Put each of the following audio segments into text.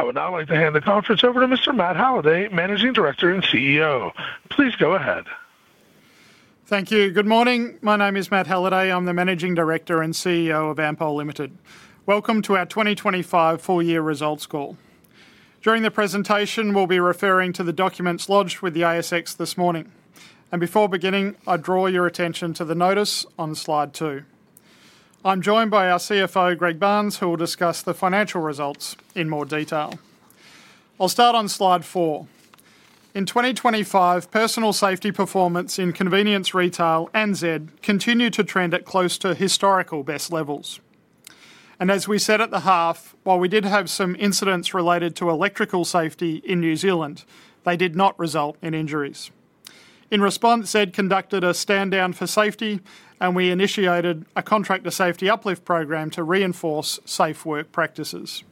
I would now like to hand the conference over to Mr. Matt Halliday, Managing Director and CEO. Please go ahead. Thank you. Good morning. My name is Matt Halliday. I'm the Managing Director and CEO of Ampol Limited. Welcome to our 2025 full year results call. During the presentation, we'll be referring to the documents lodged with the ASX this morning. Before beginning, I draw your attention to the notice on Slide 2. I'm joined by our CFO, Greg Barnes, who will discuss the financial results in more detail. I'll start on Slide 4. In 2025, personal safety performance in Convenience Retail and Z continued to trend at close to historical best levels. As we said at the half, while we did have some incidents related to electrical safety in New Zealand, they did not result in injuries. In response, Z conducted a stand-down for safety, and we initiated a Contractor Safety Uplift program to reinforce safe work practices.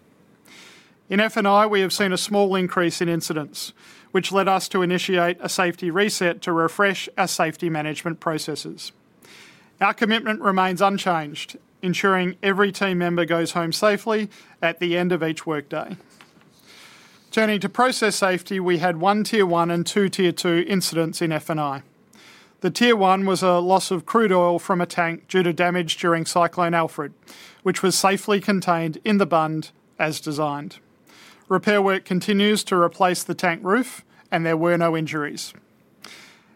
In F&I, we have seen a small increase in incidents, which led us to initiate a safety reset to refresh our safety management processes. Our commitment remains unchanged, ensuring every team member goes home safely at the end of each workday. Turning to process safety, we had 1 Tier 1 and 2 Tier 2 incidents in F&I. The Tier 1 was a loss of crude oil from a tank due to damage during Cyclone Alfred, which was safely contained in the bund as designed. Repair work continues to replace the tank roof. There were no injuries.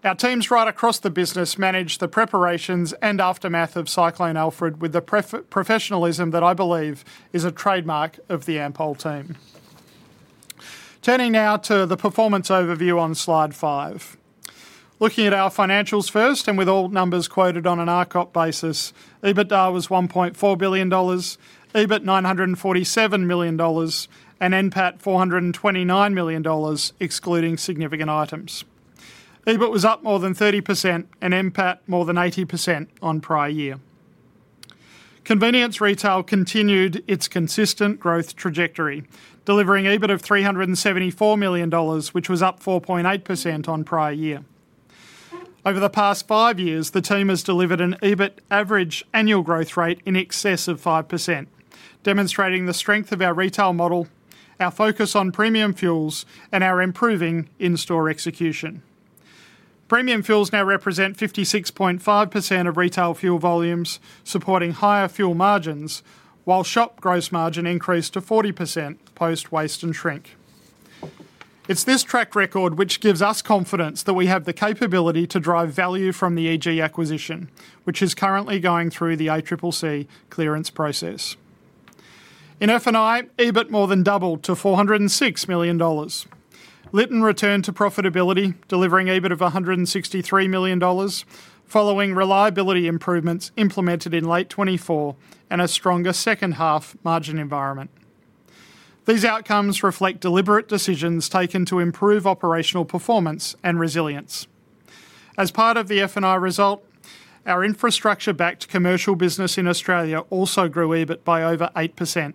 Our teams right across the business managed the preparations and aftermath of Cyclone Alfred with the professionalism that I believe is a trademark of the Ampol team. Turning now to the performance overview on Slide 5. Looking at our financials first, and with all numbers quoted on an RCOP basis, EBITDA was 1.4 billion dollars, EBIT 947 million dollars, and NPAT 429 million dollars, excluding significant items. EBIT was up more than 30% and NPAT more than 80% on prior year. Convenience Retail continued its consistent growth trajectory, delivering EBIT of 374 million dollars, which was up 4.8% on prior year. Over the past 5 years, the team has delivered an EBIT average annual growth rate in excess of 5%, demonstrating the strength of our retail model, our focus on premium fuels, and our improving in-store execution. Premium fuels now represent 56.5% of retail fuel volumes, supporting higher fuel margins, while shop gross margin increased to 40%, post waste and shrink. It's this track record which gives us confidence that we have the capability to drive value from the EG acquisition, which is currently going through the ACCC clearance process. In F&I, EBIT more than doubled to 406 million dollars. Lytton returned to profitability, delivering EBIT of 163 million dollars, following reliability improvements implemented in late 2024 and a stronger second half margin environment. These outcomes reflect deliberate decisions taken to improve operational performance and resilience. As part of the F&I result, our infrastructure-backed Commercial business in Australia also grew EBIT by over 8%,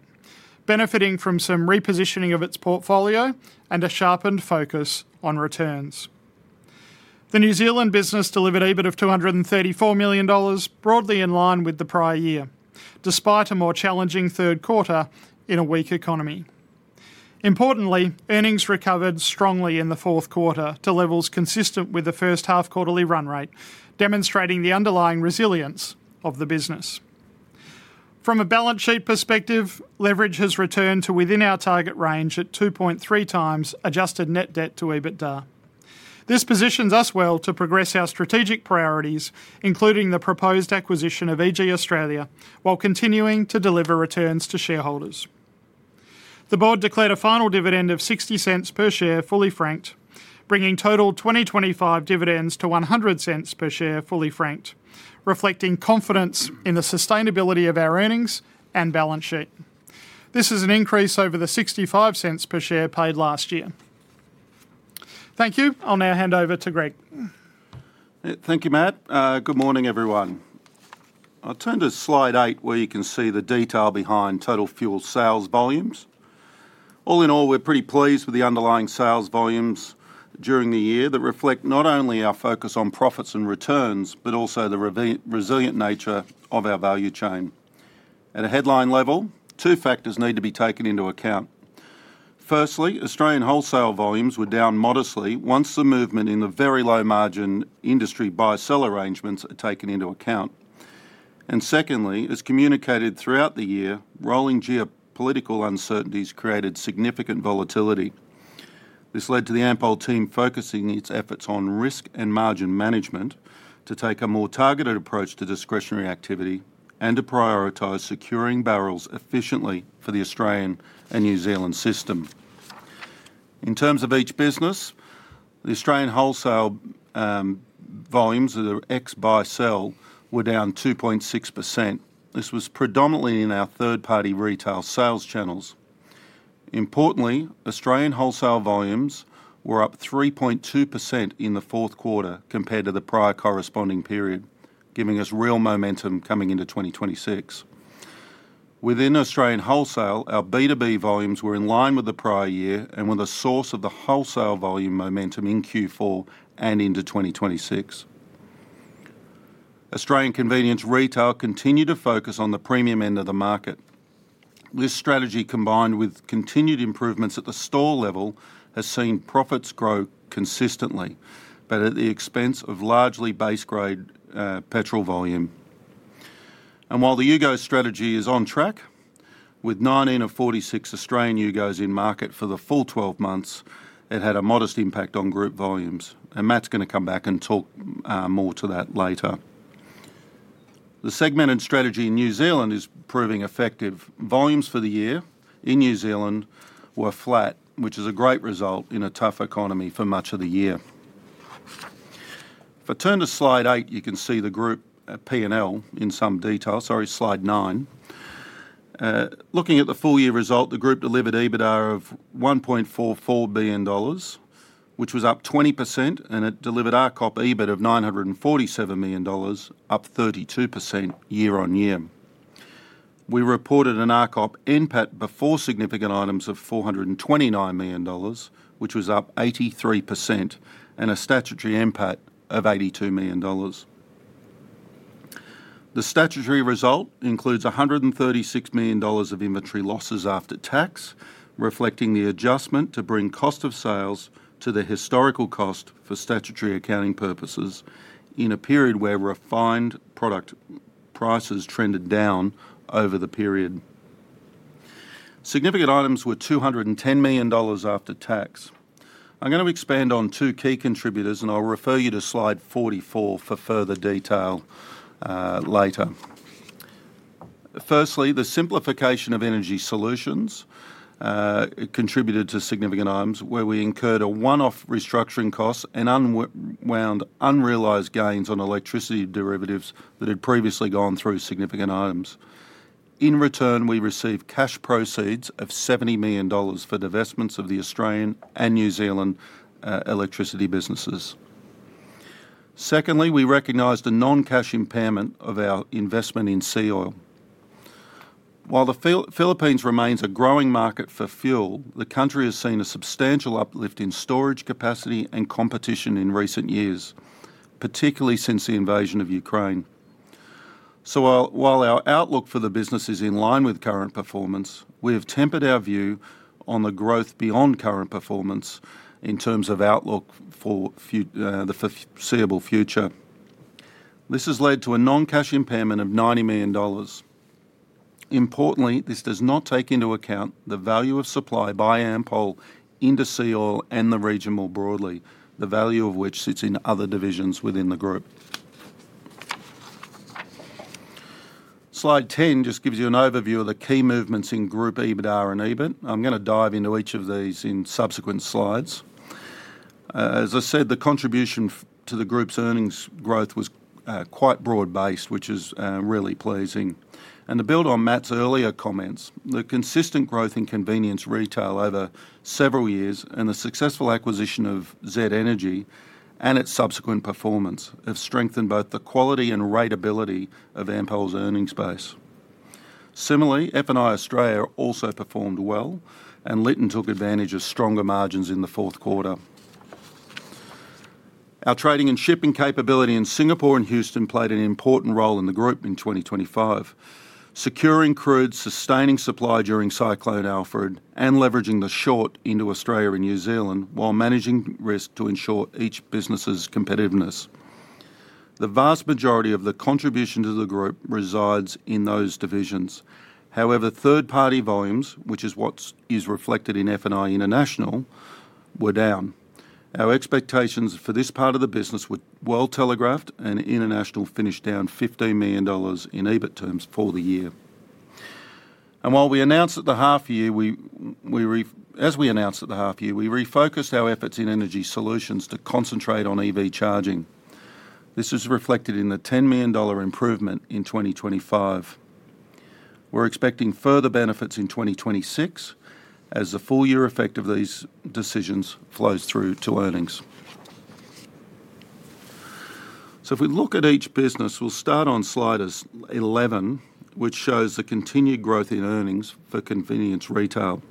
benefiting from some repositioning of its portfolio and a sharpened focus on returns. The New Zealand business delivered EBIT of 234 million dollars, broadly in line with the prior year, despite a more challenging third quarter in a weak economy. Importantly, earnings recovered strongly in the fourth quarter to levels consistent with the first half quarterly run rate, demonstrating the underlying resilience of the business. From a balance sheet perspective, leverage has returned to within our target range at 2.3x adjusted net debt to EBITDA. This positions us well to progress our strategic priorities, including the proposed acquisition of EG Australia, while continuing to deliver returns to shareholders. The board declared a final dividend of 0.60 per share, fully franked, bringing total 2025 dividends to 1.00 per share, fully franked, reflecting confidence in the sustainability of our earnings and balance sheet. This is an increase over the 0.65 per share paid last year. Thank you. I'll now hand over to Greg. Thank you, Matt. Good morning, everyone. I'll turn to Slide 8, where you can see the detail behind total fuel sales volumes. All in all, we're pretty pleased with the underlying sales volumes during the year that reflect not only our focus on profits and returns, but also the resilient nature of our value chain. At a headline level, two factors need to be taken into account: firstly, Australian wholesale volumes were down modestly once the movement in the very low margin industry buy-sell arrangements are taken into account. Secondly, as communicated throughout the year, rolling geopolitical uncertainties created significant volatility. This led to the Ampol team focusing its efforts on risk and margin management to take a more targeted approach to discretionary activity and to prioritize securing barrels efficiently for the Australian and New Zealand system. In terms of each business, the Australian wholesale volumes of the ex-buy-sell were down 2.6%. This was predominantly in our third-party retail sales channels. Importantly, Australian wholesale volumes were up 3.2% in the fourth quarter compared to the prior corresponding period, giving us real momentum coming into 2026. Australian Convenience Retail continued to focus on the premium end of the market. This strategy, combined with continued improvements at the store level, has seen profits grow consistently, but at the expense of largely base grade petrol volume. While the U-GO strategy is on track, with 19 of 46 Australian U-GOs in market for the full 12 months, it had a modest impact on group volumes, and Matt's gonna come back and talk more to that later. The segmented strategy in New Zealand is proving effective. Volumes for the year in New Zealand were flat, which is a great result in a tough economy for much of the year. If I turn to slide 8, you can see the group P&L in some detail. Sorry, slide 9. Looking at the full year result, the group delivered EBITDA of 1.44 billion dollars, which was up 20%, and it delivered RCOP EBIT of 947 million dollars, up 32% year-on-year. We reported an RCOP NPAT before significant items of 429 million dollars, which was up 83%, and a statutory NPAT of 82 million dollars. The statutory result includes 136 million dollars of inventory losses after tax, reflecting the adjustment to bring cost of sales to the historical cost for statutory accounting purposes in a period where refined product prices trended down over the period. Significant items were 210 million dollars after tax. I'm gonna expand on two key contributors, and I'll refer you to slide 44 for further detail later. Firstly, the simplification of Energy Solutions contributed to significant items where we incurred a one-off restructuring cost and unwound unrealized gains on electricity derivatives that had previously gone through significant items. In return, we received cash proceeds of 70 million dollars for divestments of the Australian and New Zealand Electricity businesses. Secondly, we recognized a non-cash impairment of our investment in Seaoil. While the Philippines remains a growing market for fuel, the country has seen a substantial uplift in storage capacity and competition in recent years, particularly since the invasion of Ukraine. While our outlook for the business is in line with current performance, we have tempered our view on the growth beyond current performance in terms of outlook for the foreseeable future. This has led to a non-cash impairment of 90 million dollars. Importantly, this does not take into account the value of supply by Ampol into Seaoil and the region more broadly, the value of which sits in other divisions within the group. Slide 10 just gives you an overview of the key movements in group EBITDA and EBIT. I'm gonna dive into each of these in subsequent slides. As I said, the contribution to the group's earnings growth was quite broad-based, which is really pleasing. To build on Matt's earlier comments, the consistent growth in Convenience Retail over several years and the successful acquisition of Z Energy and its subsequent performance, have strengthened both the quality and ratability of Ampol's earnings base. Similarly, F&I Australia also performed well. Lytton took advantage of stronger margins in the fourth quarter. Our trading and shipping capability in Singapore and Houston played an important role in the group in 2025, securing crude, sustaining supply during Cyclone Alfred, and leveraging the short into Australia and New Zealand, while managing risk to ensure each business's competitiveness. The vast majority of the contribution to the group resides in those divisions. However, third-party volumes, which is what's reflected in F&I International, were down. Our expectations for this part of the business were well telegraphed, and International finished down AUD 15 million in EBIT terms for the year. While we announced at the half year, we refocused our efforts in Energy Solutions to concentrate on EV charging. This is reflected in the 10 million dollar improvement in 2025. We're expecting further benefits in 2026, as the full year effect of these decisions flows through to earnings. If we look at each business, we'll start on slide 11, which shows the continued growth in earnings for Convenience Retail.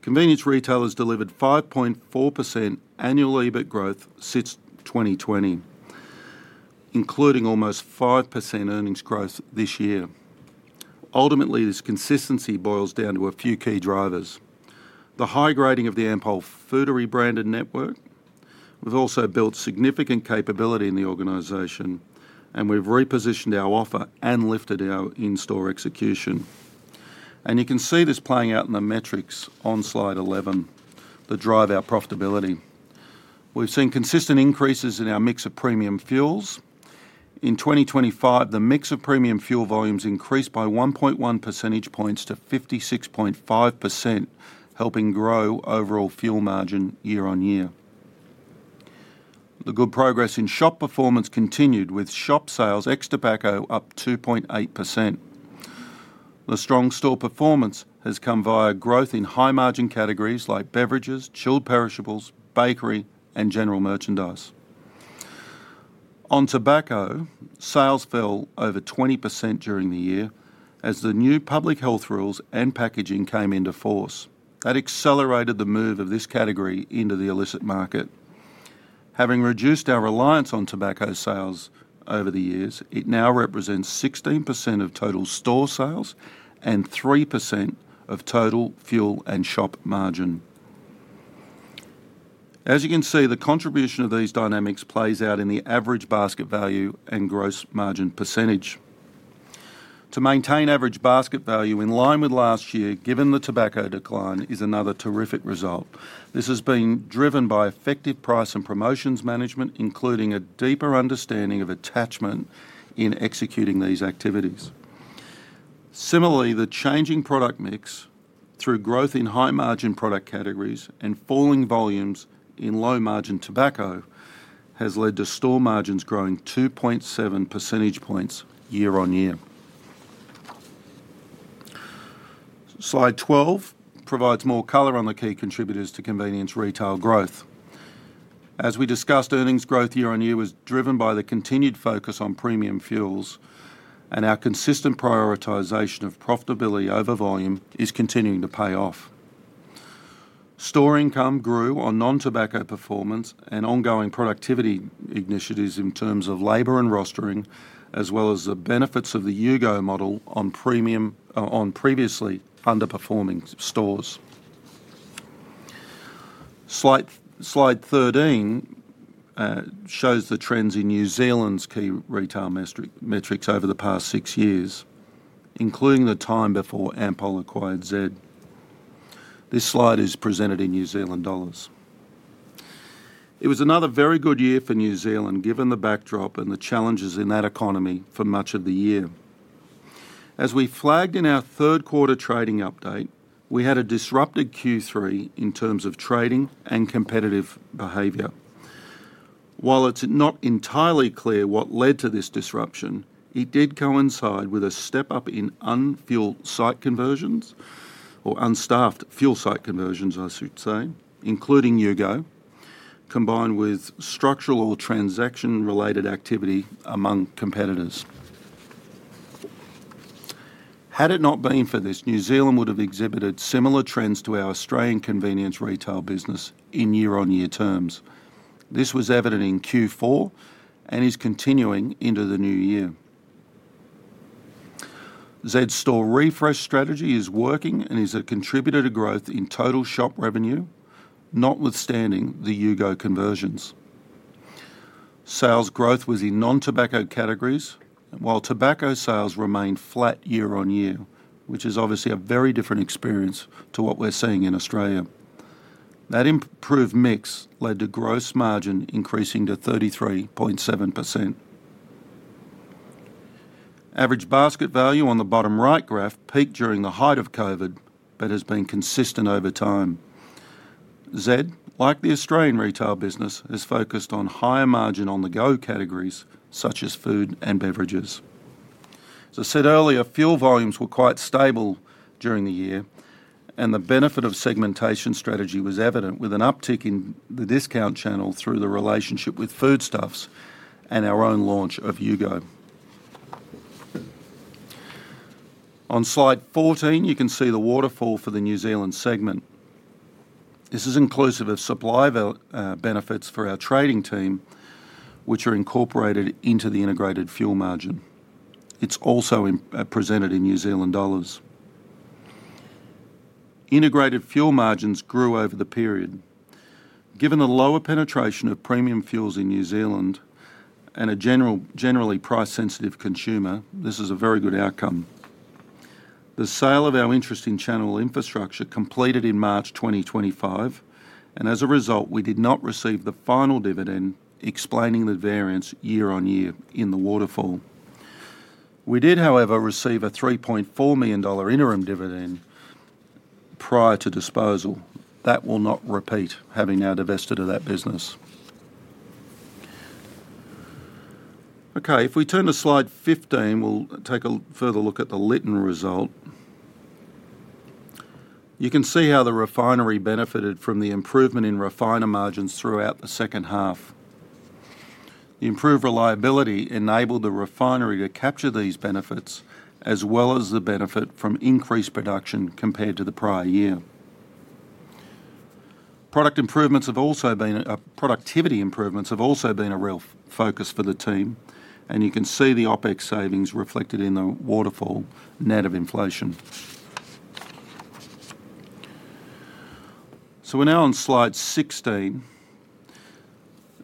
Convenience Retail has delivered 5.4% annual EBIT growth since 2020, including almost 5% earnings growth this year. Ultimately, this consistency boils down to a few key drivers. The high grading of the Ampol Foodary rebranded network. We've also built significant capability in the organization, and we've repositioned our offer and lifted our in-store execution. You can see this playing out in the metrics on slide 11, that drive our profitability. We've seen consistent increases in our mix of premium fuels. In 2025, the mix of premium fuel volumes increased by 1.1 percentage points to 56.5%, helping grow overall fuel margin year-on-year. The good progress in shop performance continued, with shop sales, ex tobacco, up 2.8%. The strong store performance has come via growth in high-margin categories like beverages, chilled perishables, bakery, and general merchandise. On tobacco, sales fell over 20% during the year as the new public health rules and packaging came into force, that accelerated the move of this category into the illicit market. Having reduced our reliance on tobacco sales over the years, it now represents 16% of total store sales and 3% of total fuel and shop margin. As you can see, the contribution of these dynamics plays out in the average basket value and gross margin percentage. To maintain average basket value in line with last year, given the tobacco decline, is another terrific result. This has been driven by effective price and promotions management, including a deeper understanding of attachment in executing these activities. Similarly, the changing product mix through growth in high-margin product categories and falling volumes in low-margin tobacco, has led to store margins growing 2.7 percentage points year-on-year. Slide 12 provides more color on the key contributors to Convenience Retail growth. As we discussed, earnings growth year-on-year was driven by the continued focus on premium fuels, our consistent prioritization of profitability over volume is continuing to pay off. Store income grew on non-tobacco performance and ongoing productivity initiatives in terms of labor and rostering, as well as the benefits of the U-GO model on premium, on previously underperforming stores. Slide 13 shows the trends in New Zealand's key retail metrics over the past six years, including the time before Ampol acquired Z. This slide is presented in New Zealand dollars. It was another very good year for New Zealand, given the backdrop and the challenges in that economy for much of the year. As we flagged in our third quarter trading update, we had a disrupted Q3 in terms of trading and competitive behavior. While it's not entirely clear what led to this disruption, it did coincide with a step-up in unfuelled site conversions or unstaffed fuel site conversions, I should say, including U-GO, combined with structural or transaction-related activity among competitors. Had it not been for this, New Zealand would have exhibited similar trends to our Australian Convenience Retail business in year-on-year terms. This was evident in Q4 and is continuing into the new year. Z store refresh strategy is working and is a contributor to growth in total shop revenue, notwithstanding the U-GO conversions. Sales growth was in non-tobacco categories, while tobacco sales remained flat year on year, which is obviously a very different experience to what we're seeing in Australia. That improved mix led to gross margin increasing to 33.7%. Average basket value on the bottom right graph peaked during the height of COVID, but has been consistent over time. Z, like the Australian Retail business, is focused on higher margin on-the-go categories such as food and beverages. As I said earlier, fuel volumes were quite stable during the year, and the benefit of segmentation strategy was evident, with an uptick in the discount channel through the relationship with Foodstuffs and our own launch of U-GO. On slide 14, you can see the waterfall for the New Zealand segment. This is inclusive of supply benefits for our trading team, which are incorporated into the integrated fuel margin. It's also presented in New Zealand dollars. Integrated fuel margins grew over the period. Given the lower penetration of premium fuels in New Zealand and generally price-sensitive consumer, this is a very good outcome. The sale of our interest in Channel Infrastructure completed in March 2025. As a result, we did not receive the final dividend, explaining the variance year-on-year in the waterfall. We did, however, receive a 3.4 million dollar interim dividend prior to disposal. That will not repeat, having now divested of that business. Okay, if we turn to slide 15, we'll take a further look at the Lytton result. You can see how the refinery benefited from the improvement in refiner margins throughout the second half. The improved reliability enabled the refinery to capture these benefits, as well as the benefit from increased production compared to the prior year. Productivity improvements have also been a real focus for the team, and you can see the OpEx savings reflected in the waterfall net of inflation. We're now on slide 16.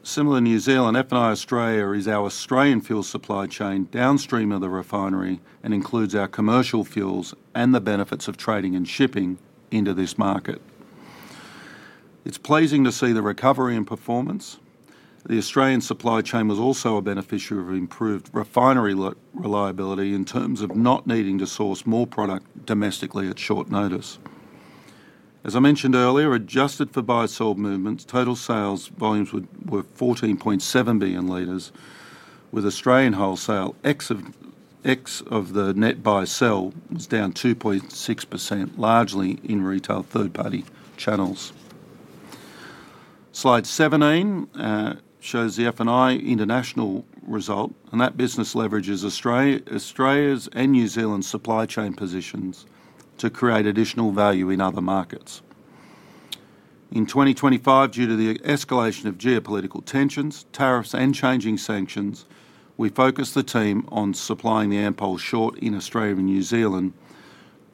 Similar to New Zealand, F&I Australia is our Australian fuel supply chain, downstream of the refinery, and includes our commercial fuels and the benefits of trading and shipping into this market. It's pleasing to see the recovery and performance. The Australian supply chain was also a beneficiary of improved refinery reliability in terms of not needing to source more product domestically at short notice. As I mentioned earlier, adjusted for buy-sell movements, total sales volumes were 14.7 billion liters, with Australian wholesale ex of the net buy-sell was down 2.6%, largely in retail third-party channels. Slide 17 shows the F&I International result. That business leverages Australia's and New Zealand's supply chain positions to create additional value in other markets. In 2025, due to the escalation of geopolitical tensions, tariffs, and changing sanctions, we focused the team on supplying the Ampol short in Australia and New Zealand,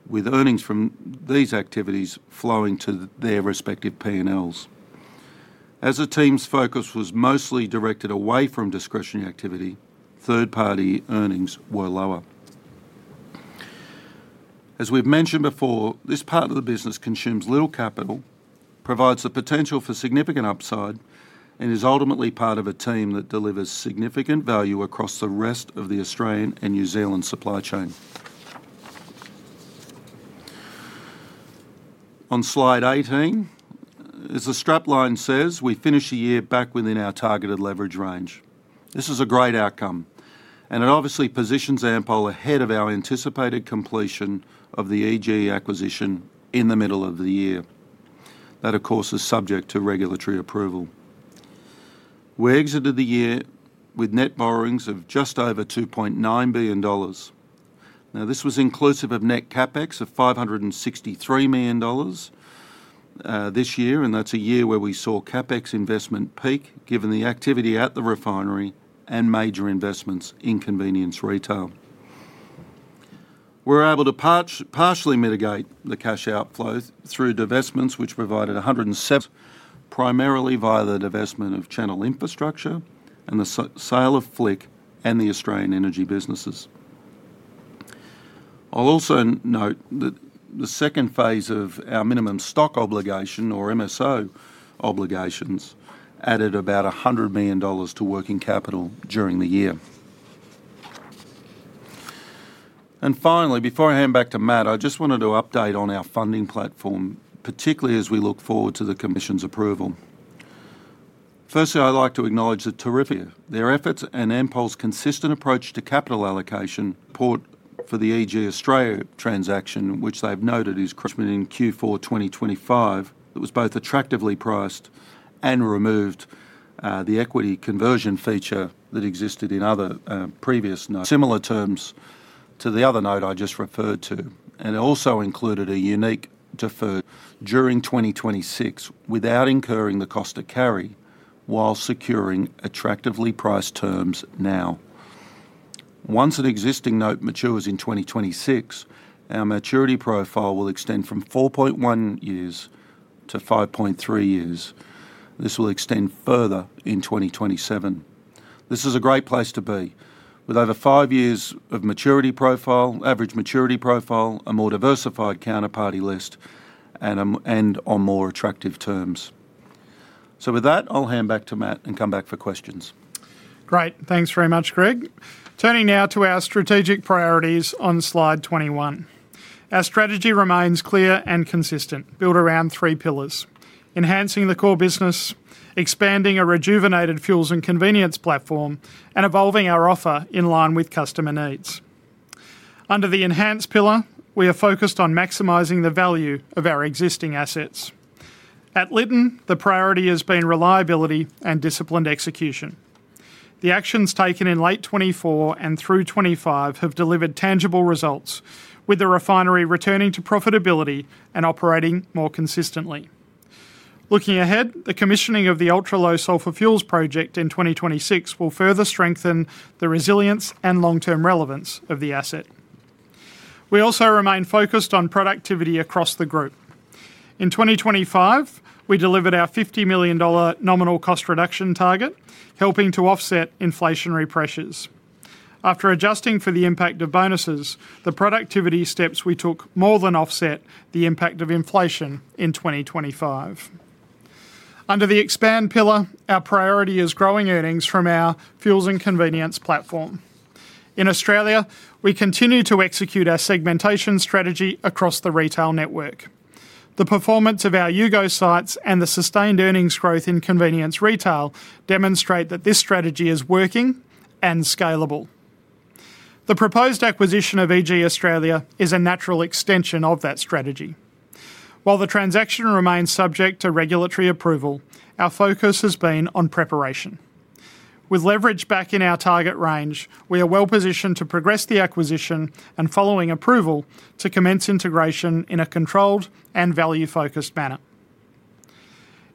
with earnings from these activities flowing to their respective P&Ls. As the team's focus was mostly directed away from discretionary activity, third-party earnings were lower. As we've mentioned before, this part of the business consumes little capital, provides the potential for significant upside, and is ultimately part of a team that delivers significant value across the rest of the Australian and New Zealand supply chain. On slide 18, as the strapline says, "We finish the year back within our targeted leverage range." This is a great outcome, and it obviously positions Ampol ahead of our anticipated completion of the EG acquisition in the middle of the year. That, of course, is subject to regulatory approval. We exited the year with net borrowings of just over 2.9 billion dollars. This was inclusive of net CapEx of 563 million dollars this year, and that's a year where we saw CapEx investment peak, given the activity at the refinery and major investments in Convenience Retail. We were able to partially mitigate the cash outflows through divestments, which provided a hundred and sev- primarily via the divestment of Channel Infrastructure and the sale of Flick and the Australian Energy businesses. I'll also note that the second phase of our minimum stock obligation, or MSO obligations, added about 100 million dollars to working capital during the year. Finally, before I hand back to Matt, I just wanted to update on our funding platform, particularly as we look forward to the commission's approval. Firstly, I'd like to acknowledge the terrific. Their efforts and Ampol's consistent approach to capital allocation port for the EG Australia transaction, which they've noted is cross mid in Q4 2025. It was both attractively priced and removed the equity conversion feature that existed in other previous Similar terms to the other note I just referred to. It also included a unique deferred during 2026, without incurring the cost to carry, while securing attractively priced terms now. Once an existing note matures in 2026, our maturity profile will extend from 4.1 years to 5.3 years. This will extend further in 2027. This is a great place to be, with over 5 years of maturity profile, average maturity profile, a more diversified counterparty list, on more attractive terms. With that, I'll hand back to Matt and come back for questions. Great. Thanks very much, Greg. Turning now to our strategic priorities on slide 21. Our strategy remains clear and consistent, built around three pillars: enhancing the core business, expanding a rejuvenated fuels and convenience platform, and evolving our offer in line with customer needs. Under the enhanced pillar, we are focused on maximizing the value of our existing assets. At Lytton, the priority has been reliability and disciplined execution. The actions taken in late 2024 and through 2025 have delivered tangible results, with the refinery returning to profitability and operating more consistently. Looking ahead, the commissioning of the Ultra Low Sulfur Fuels project in 2026 will further strengthen the resilience and long-term relevance of the asset. We also remain focused on productivity across the group. In 2025, we delivered our 50 million dollar nominal cost reduction target, helping to offset inflationary pressures. After adjusting for the impact of bonuses, the productivity steps we took more than offset the impact of inflation in 2025. Under the Expand pillar, our priority is growing earnings from our fuels and convenience platform. In Australia, we continue to execute our segmentation strategy across the retail network. The performance of our U-GO sites and the sustained earnings growth in Convenience Retail demonstrate that this strategy is working and scalable. The proposed acquisition of EG Australia is a natural extension of that strategy. While the transaction remains subject to regulatory approval, our focus has been on preparation. With leverage back in our target range, we are well positioned to progress the acquisition and, following approval, to commence integration in a controlled and value-focused manner.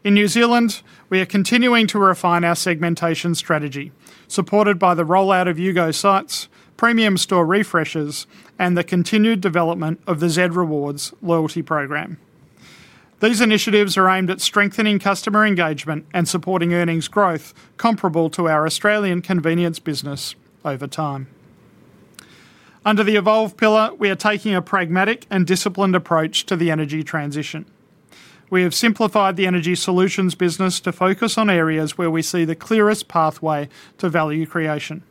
In New Zealand, we are continuing to refine our segmentation strategy, supported by the rollout of U-GO sites, premium store refreshes, and the continued development of the Z Rewards loyalty program. These initiatives are aimed at strengthening customer engagement and supporting earnings growth comparable to our Australian Convenience business over time. Under the Evolve pillar, we are taking a pragmatic and disciplined approach to the energy transition. We have simplified the Energy Solutions business to focus on areas where we see the clearest pathway to value creation.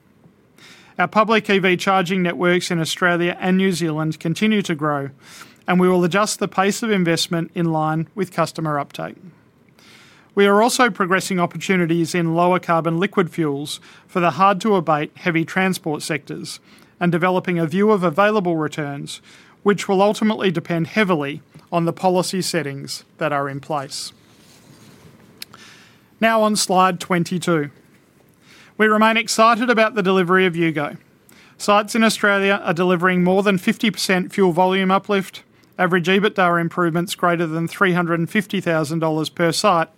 Our public EV charging networks in Australia and New Zealand continue to grow, and we will adjust the pace of investment in line with customer uptake. We are also progressing opportunities in lower carbon liquid fuels for the hard-to-abate heavy transport sectors and developing a view of available returns, which will ultimately depend heavily on the policy settings that are in place.... Now on Slide 22. We remain excited about the delivery of U-GO. Sites in Australia are delivering more than 50% fuel volume uplift, average EBITDA improvements greater than 350,000 dollars per site,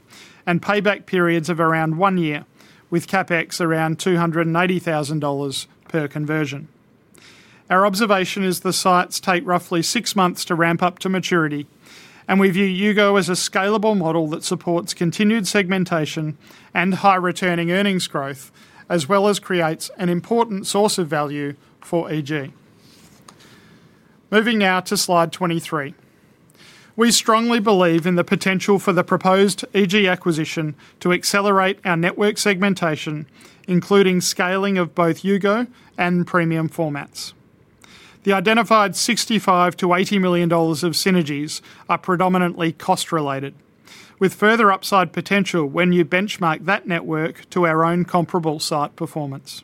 and payback periods of around 1 year, with CapEx around 280,000 dollars per conversion. Our observation is the sites take roughly 6 months to ramp up to maturity, and we view U-GO as a scalable model that supports continued segmentation and high-returning earnings growth, as well as creates an important source of value for EG. Moving now to Slide 23. We strongly believe in the potential for the proposed EG acquisition to accelerate our network segmentation, including scaling of both U-GO and premium formats. The identified 65 million-80 million dollars of synergies are predominantly cost-related, with further upside potential when you benchmark that network to our own comparable site performance.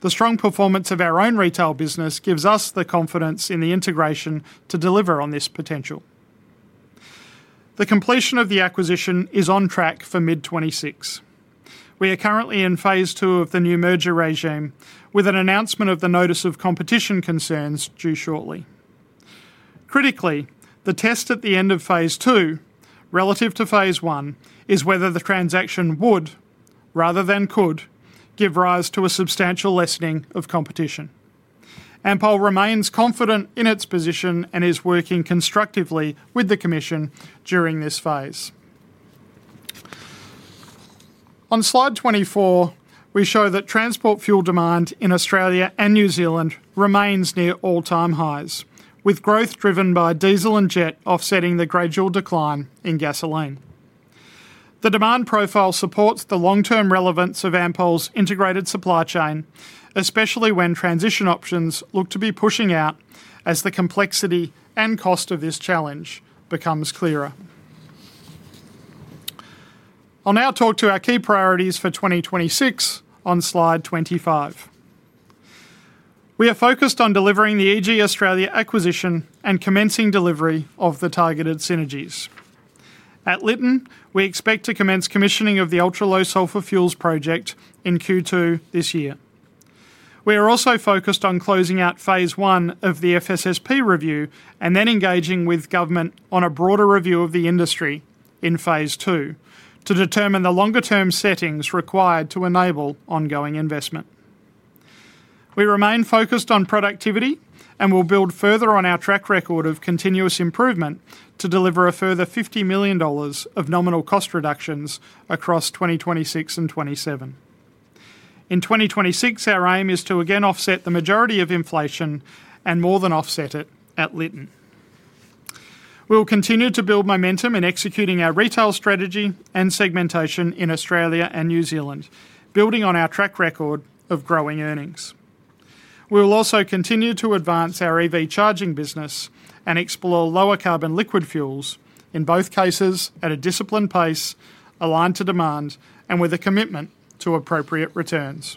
The strong performance of our own Retail business gives us the confidence in the integration to deliver on this potential. The completion of the acquisition is on track for mid-2026. We are currently in Phase 2 of the new merger regime, with an announcement of the notice of competition concerns due shortly. Critically, the test at the end of Phase 2, relative to Phase 1, is whether the transaction would, rather than could, give rise to a substantial lessening of competition. Ampol remains confident in its position and is working constructively with the commission during this phase. On Slide 24, we show that transport fuel demand in Australia and New Zealand remains near all-time highs, with growth driven by diesel and jet offsetting the gradual decline in gasoline. The demand profile supports the long-term relevance of Ampol's integrated supply chain, especially when transition options look to be pushing out as the complexity and cost of this challenge becomes clearer. I'll now talk to our key priorities for 2026 on Slide 25. We are focused on delivering the EG Australia acquisition and commencing delivery of the targeted synergies. At Lytton, we expect to commence commissioning of the Ultra Low Sulfur Fuels project in Q2 this year. We are also focused on closing out Phase 1 of the FSSP review and then engaging with government on a broader review of the industry in phase 2, to determine the longer-term settings required to enable ongoing investment. We remain focused on productivity and will build further on our track record of continuous improvement to deliver a further 50 million dollars of nominal cost reductions across 2026 and 2027. In 2026, our aim is to again offset the majority of inflation and more than offset it at Lytton. We will continue to build momentum in executing our retail strategy and segmentation in Australia and New Zealand, building on our track record of growing earnings. We will also continue to advance our EV Charging business and explore lower carbon liquid fuels, in both cases at a disciplined pace, aligned to demand, and with a commitment to appropriate returns.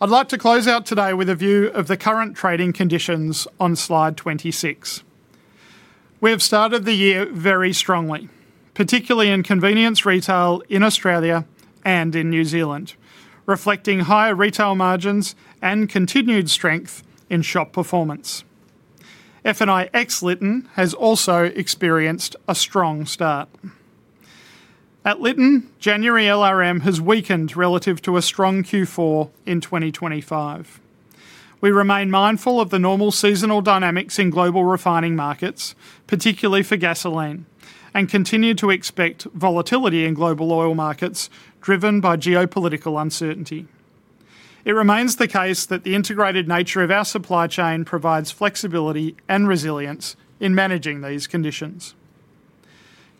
I'd like to close out today with a view of the current trading conditions on Slide 26. We have started the year very strongly, particularly in Convenience Retail in Australia and in New Zealand, reflecting higher retail margins and continued strength in shop performance. F&I ex Lytton has also experienced a strong start. At Lytton, January LRM has weakened relative to a strong Q4 in 2025. We remain mindful of the normal seasonal dynamics in global refining markets, particularly for gasoline, and continue to expect volatility in global oil markets driven by geopolitical uncertainty. It remains the case that the integrated nature of our supply chain provides flexibility and resilience in managing these conditions.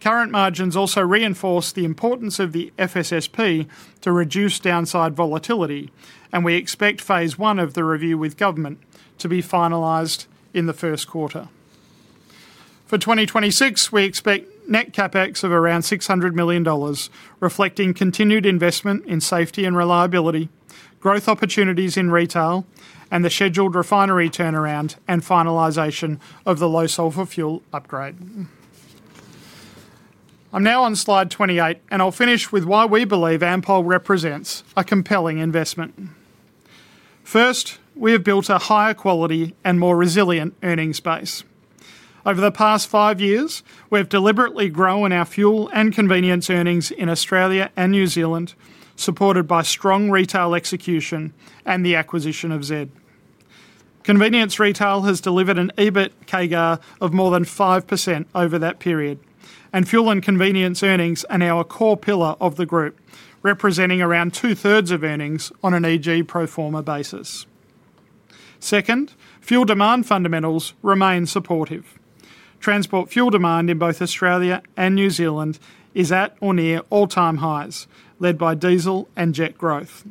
Current margins also reinforce the importance of the FSSP to reduce downside volatility, and we expect phase one of the review with government to be finalized in the first quarter. For 2026, we expect net CapEx of around 600 million dollars, reflecting continued investment in safety and reliability, growth opportunities in retail, and the scheduled refinery turnaround and finalization of the low sulfur fuel upgrade. I'm now on Slide 28, I'll finish with why we believe Ampol represents a compelling investment. First, we have built a higher quality and more resilient earnings base. Over the past 5 years, we have deliberately grown our fuel and convenience earnings in Australia and New Zealand, supported by strong retail execution and the acquisition of Z. Convenience Retail has delivered an EBIT CAGR of more than 5% over that period, fuel and convenience earnings are now a core pillar of the group, representing around two-thirds of earnings on an EG pro forma basis. Second, fuel demand fundamentals remain supportive. Transport fuel demand in both Australia and New Zealand is at or near all-time highs, led by diesel and jet growth.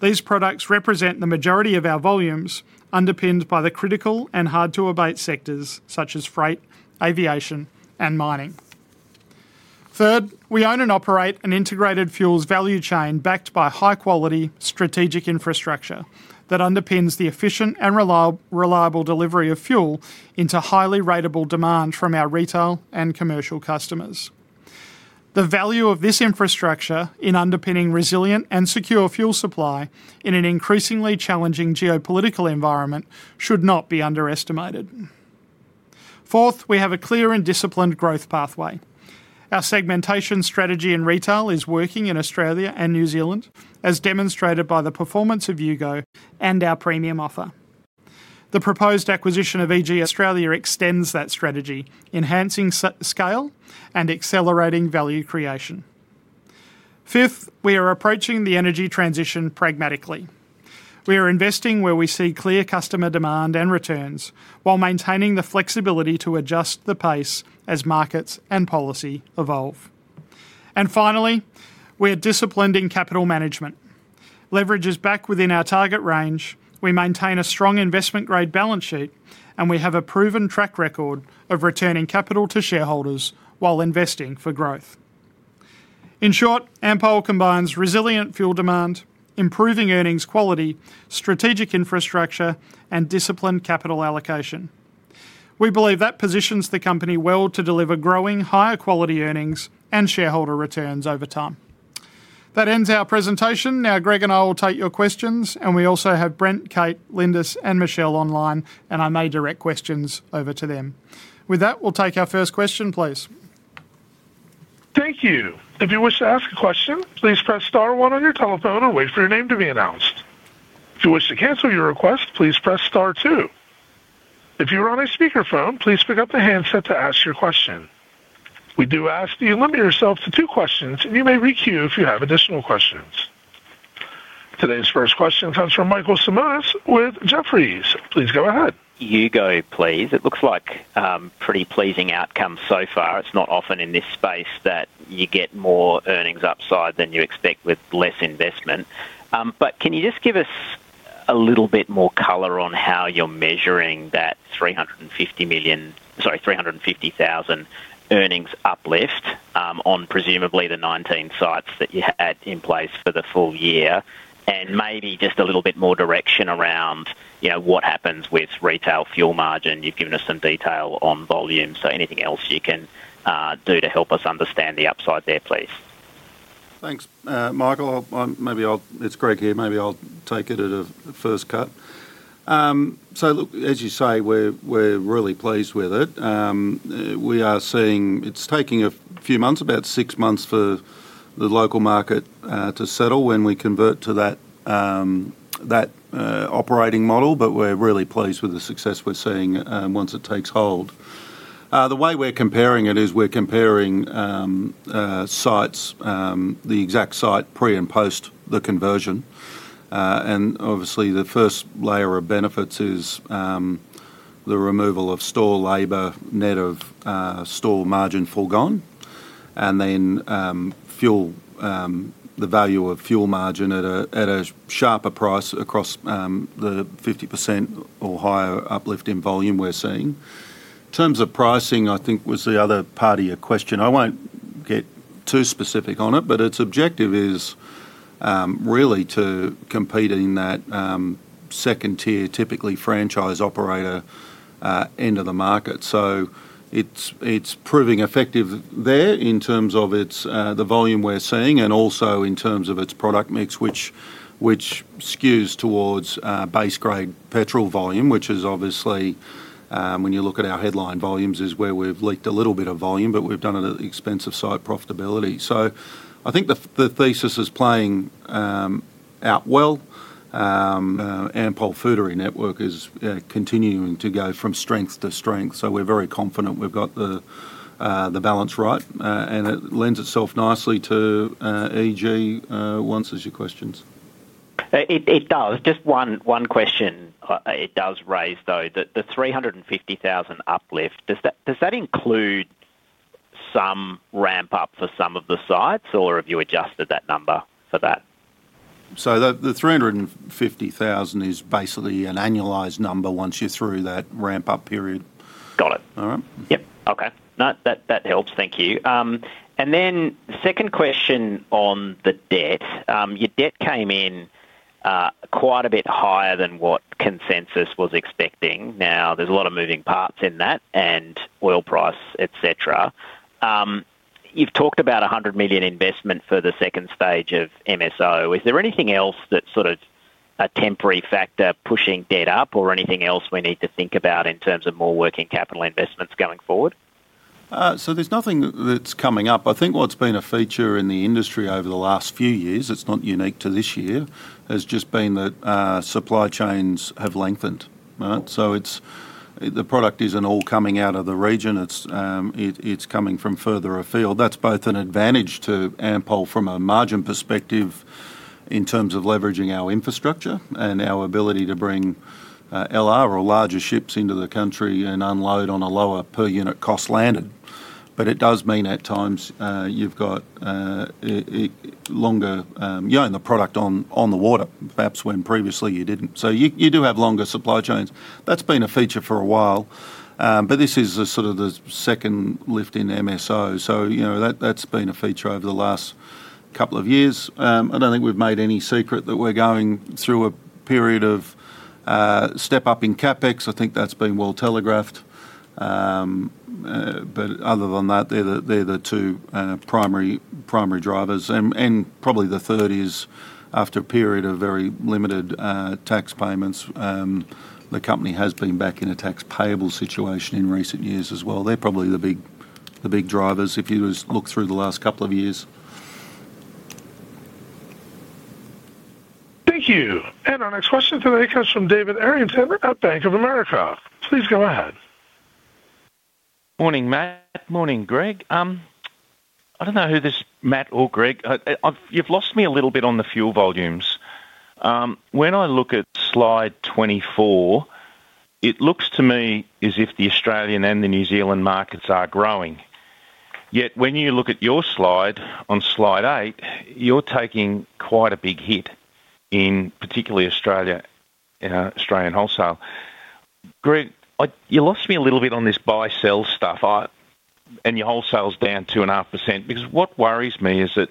These products represent the majority of our volumes, underpinned by the critical and hard-to-abate sectors such as freight, aviation, and mining. Third, we own and operate an integrated fuels value chain backed by high-quality strategic infrastructure that underpins the efficient and reliable delivery of fuel into highly ratable demand from our retail and commercial customers. The value of this infrastructure in underpinning resilient and secure fuel supply in an increasingly challenging geopolitical environment should not be underestimated. Fourth, we have a clear and disciplined growth pathway. Our segmentation strategy in retail is working in Australia and New Zealand, as demonstrated by the performance of U-GO and our premium offer. The proposed acquisition of EG Australia extends that strategy, enhancing scale and accelerating value creation. Fifth, we are approaching the energy transition pragmatically. We are investing where we see clear customer demand and returns, while maintaining the flexibility to adjust the pace as markets and policy evolve. Finally, we are disciplined in capital management. Leverage is back within our target range, we maintain a strong investment-grade balance sheet, and we have a proven track record of returning capital to shareholders while investing for growth. In short, Ampol combines resilient fuel demand, improving earnings quality, strategic infrastructure, and disciplined capital allocation. We believe that positions the company well to deliver growing, higher quality earnings and shareholder returns over time. That ends our presentation. Now, Greg and I will take your questions, and we also have Brent, Kate, Lindis, and Michelle online, and I may direct questions over to them. With that, we'll take our first question, please. Thank you. If you wish to ask a question, please press star one on your telephone and wait for your name to be announced. If you wish to cancel your request, please press star two. If you are on a speakerphone, please pick up the handset to ask your question. We do ask that you limit yourself to two questions, and you may requeue if you have additional questions. Today's first question comes from Michael Simotas with Jefferies. Please go ahead. U-GO, please. It looks like pretty pleasing outcome so far. It's not often in this space that you get more earnings upside than you expect with less investment. Can you just give us a little bit more color on how you're measuring that 350 million, sorry, 350,000 earnings uplift on presumably the 19 sites that you had in place for the full year? Maybe just a little bit more direction around, you know, what happens with retail fuel margin. You've given us some detail on volume, so anything else you can do to help us understand the upside there, please? Thanks, Michael. I'll maybe I'll. It's Greg here. Maybe I'll take it at a first cut. Look, as you say, we're really pleased with it. We are seeing. It's taking a few months, about 6 months for the local market to settle when we convert to that operating model, but we're really pleased with the success we're seeing once it takes hold. The way we're comparing it is we're comparing sites, the exact site pre and post the conversion. Obviously, the first layer of benefits is the removal of store labor net of store margin forgone, and then fuel, the value of fuel margin at a sharper price across the 50% or higher uplift in volume we're seeing. In terms of pricing, I think was the other part of your question. I won't get too specific on it, but its objective is really to compete in that second tier, typically franchise operator, end of the market. It's proving effective there in terms of its the volume we're seeing, and also in terms of its product mix, which skews towards base grade petrol volume, which is obviously, when you look at our headline volumes, is where we've leaked a little bit of volume, but we've done it at the expense of site profitability. I think the thesis is playing out well. Ampol Foodary network is continuing to go from strength to strength, so we're very confident we've got the balance right. It lends itself nicely to EG, who answers your questions. It, it does. Just one, one question, it does raise, though, the, the 350,000 uplift, does that, does that include some ramp-up for some of the sites, or have you adjusted that number for that? The, the 350,000 is basically an annualized number once you're through that ramp-up period. Got it. All right? Yep. Okay. No, that, that helps. Thank you. Then second question on the debt. Your debt came in, quite a bit higher than what consensus was expecting. Now, there's a lot of moving parts in that and oil price, et cetera. You've talked about an 100 million investment for the second stage of MSO. Is there anything else that's sort of a temporary factor pushing debt up, or anything else we need to think about in terms of more working capital investments going forward? There's nothing that's coming up. I think what's been a feature in the industry over the last few years, it's not unique to this year, has just been that supply chains have lengthened. Right? The product isn't all coming out of the region. It's coming from further afield. That's both an advantage to Ampol from a margin perspective in terms of leveraging our infrastructure and our ability to bring LR or larger ships into the country and unload on a lower per unit cost landed. It does mean at times, you've got longer, you own the product on the water, perhaps when previously you didn't. You do have longer supply chains. That's been a feature for a while, this is the sort of the second lift in MSO. You know, that, that's been a feature over the last couple of years. I don't think we've made any secret that we're going through a period of step up in CapEx. I think that's been well telegraphed. Other than that, they're the, they're the two primary, primary drivers. Probably the third is, after a period of very limited tax payments, the company has been back in a tax payable situation in recent years as well. They're probably the big, the big drivers, if you just look through the last couple of years. Thank you. Our next question today comes from David Errington at Bank of America. Please go ahead. Morning, Matt. Morning, Greg. I don't know who this Matt or Greg, You've lost me a little bit on the fuel volumes. When I look at slide 24, it looks to me as if the Australian and the New Zealand markets are growing. When you look at your slide, on slide 8, you're taking quite a big hit in particularly Australia, in Australian wholesale. Greg, you lost me a little bit on this buy-sell stuff. Your wholesale's down 2.5%. What worries me is that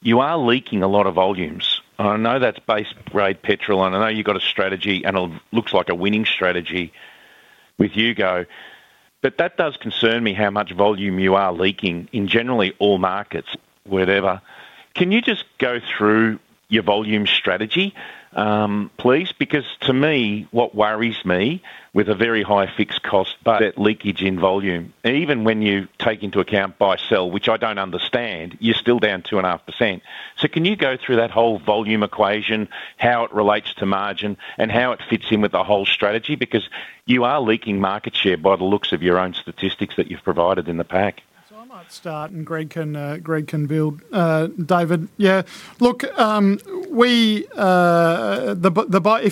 you are leaking a lot of volumes. I know that's base grade petrol, and I know you've got a strategy, and it looks like a winning strategy with U-GO. That does concern me, how much volume you are leaking in generally all markets, wherever. Can you just go through your volume strategy, please? To me, what worries me, with a very high fixed cost, but that leakage in volume, and even when you take into account buy-sell, which I don't understand, you're still down 2.5%. Can you go through that whole volume equation, how it relates to margin, and how it fits in with the whole strategy? You are leaking market share by the looks of your own statistics that you've provided in the pack. I might start, and Greg can, Greg can build, David. If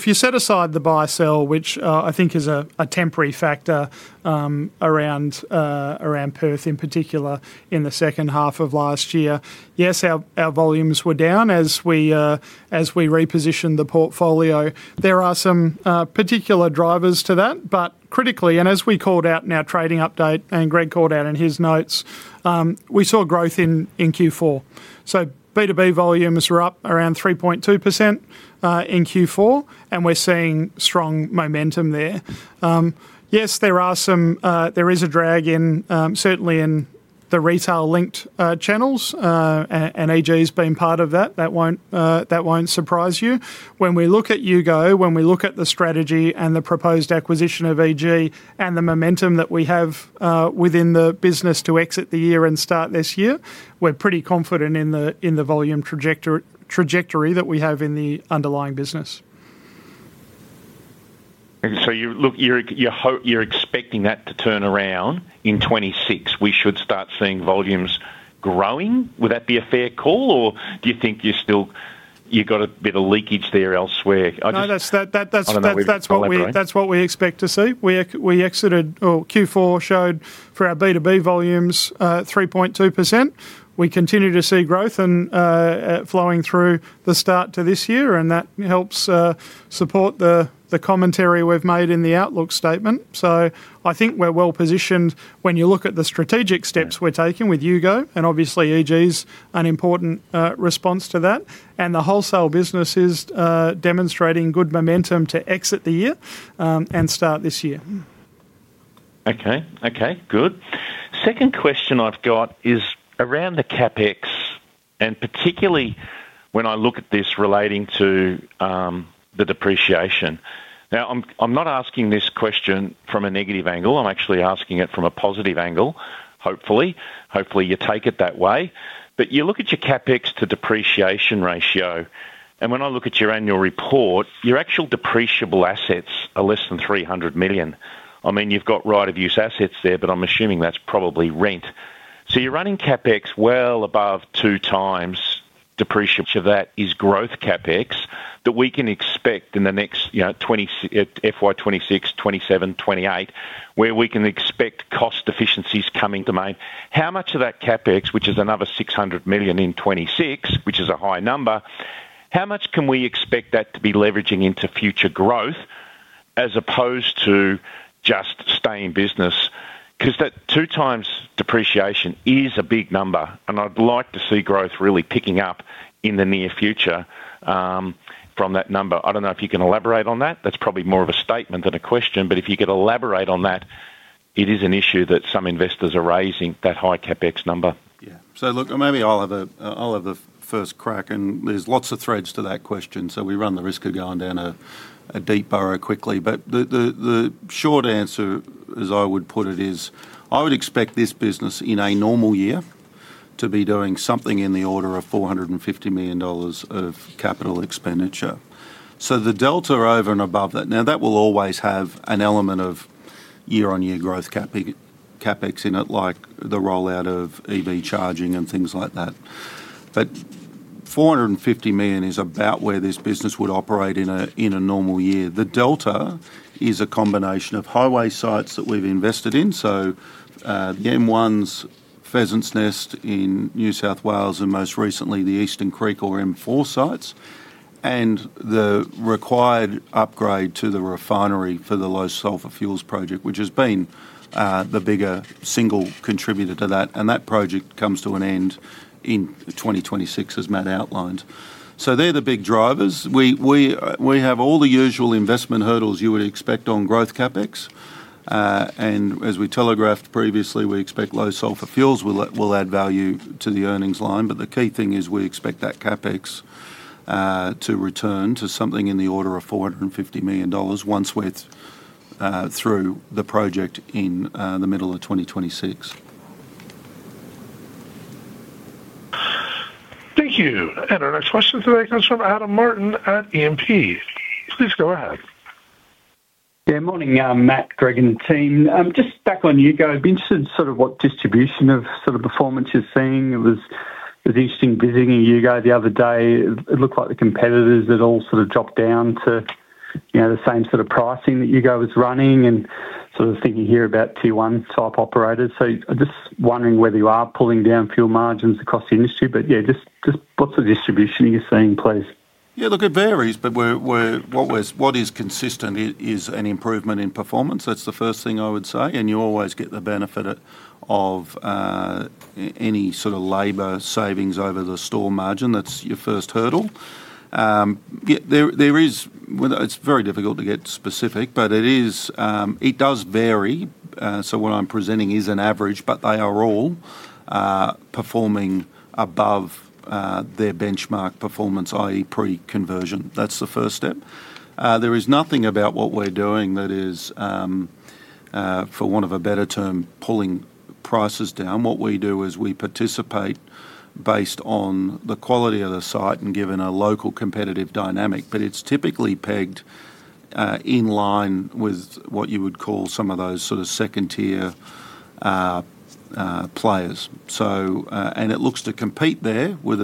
you set aside the buy-sell, which, I think is a temporary factor, around Perth, in particular, in the second half of last year, yes, our volumes were down as we repositioned the portfolio. There are some particular drivers to that, but critically, and as we called out in our trading update and Greg called out in his notes, we saw growth in Q4. B2B volumes were up around 3.2% in Q4, and we're seeing strong momentum there. Yes, there are some, there is a drag in, certainly in the retail-linked channels, and EG's been part of that. That won't, that won't surprise you. When we look at U-GO, when we look at the strategy and the proposed acquisition of EG and the momentum that we have, within the business to exit the year and start this year, we're pretty confident in the, in the volume trajectory that we have in the underlying business. You... Look, you're, you're expecting that to turn around in 26. We should start seeing volumes growing? Would that be a fair call, or do you think you're still, you got a bit of leakage there elsewhere? I just. No, that's what we- I don't know. That's what we expect to see. We exited, or Q4 showed for our B2B volumes, 3.2%. We continue to see growth and flowing through the start to this year, and that helps support the commentary we've made in the outlook statement. I think we're well positioned when you look at the strategic steps we're taking with U-GO, and obviously EG's an important response to that. The Wholesale business is demonstrating good momentum to exit the year and start this year. Okay. Okay, good. Second question I've got is around the CapEx, and particularly when I look at this relating to the depreciation. Now, I'm, I'm not asking this question from a negative angle; I'm actually asking it from a positive angle, hopefully. Hopefully, you take it that way. You look at your CapEx to depreciation ratio, and when I look at your annual report, your actual depreciable assets are less than 300 million. I mean, you've got right-of-use assets there, but I'm assuming that's probably rent. You're running CapEx well above 2x depreciation. Much of that is growth CapEx that we can expect in the next, you know, FY 2026, 2027, 2028, where we can expect cost efficiencies coming to main. How much of that CapEx, which is another 600 million in 2026, which is a high number, how much can we expect that to be leveraging into future growth as opposed to just staying in business? 'Cause that 2x depreciation is a big number, and I'd like to see growth really picking up in the near future from that number. I don't know if you can elaborate on that. That's probably more of a statement than a question, but if you could elaborate on that, it is an issue that some investors are raising, that high CapEx number. Yeah. Look, maybe I'll have a, I'll have the first crack, and there's lots of threads to that question, so we run the risk of going down a, a deep burrow quickly. The, the, the short answer, as I would put it, is I would expect this business in a normal year to be doing something in the order of 450 million dollars of capital expenditure. The delta over and above that. Now, that will always have an element of year-on-year growth CapEx, CapEx in it, like the rollout of EV charging and things like that. 450 million is about where this business would operate in a, in a normal year. The delta is a combination of highway sites that we've invested in. The M1's, Pheasants Nest in New South Wales, and most recently, the Eastern Creek or M4 sites. The required upgrade to the refinery for the low sulfur fuels project, which has been the bigger single contributor to that, and that project comes to an end in 2026, as Matt outlined. They're the big drivers. We, we have all the usual investment hurdles you would expect on growth CapEx. And as we telegraphed previously, we expect low sulfur fuels will add value to the earnings line. The key thing is we expect that CapEx to return to something in the order of 450 million dollars once we're through the project in the middle of 2026. Thank you. Our next question today comes from Adam Martin at E&P. Please go ahead. Yeah, morning, Matt, Greg, and team. Just back on U-GO, I'd be interested in sort of what distribution of sort of performance you're seeing. It was, it was interesting visiting U-GO the other day. It looked like the competitors had all sort of dropped down to, you know, the same sort of pricing that U-GO is running, so I was thinking here about two one type operators. Just wondering whether you are pulling down fuel margins across the industry. Yeah, just, just what's the distribution you're seeing, please? Yeah, look, it varies, but we're what is consistent is an improvement in performance. That's the first thing I would say. You always get the benefit of any sort of labor savings over the store margin. That's your first hurdle. Yeah, there is. Well, it's very difficult to get specific, but it is, it does vary, so what I'm presenting is an average, but they are all performing above their benchmark performance, i.e., pre-conversion. That's the first step. There is nothing about what we're doing that is, for want of a better term, pulling prices down. What we do is we participate based on the quality of the site and given a local competitive dynamic, but it's typically pegged in line with what you would call some of those sort of second-tier players. And it looks to compete there with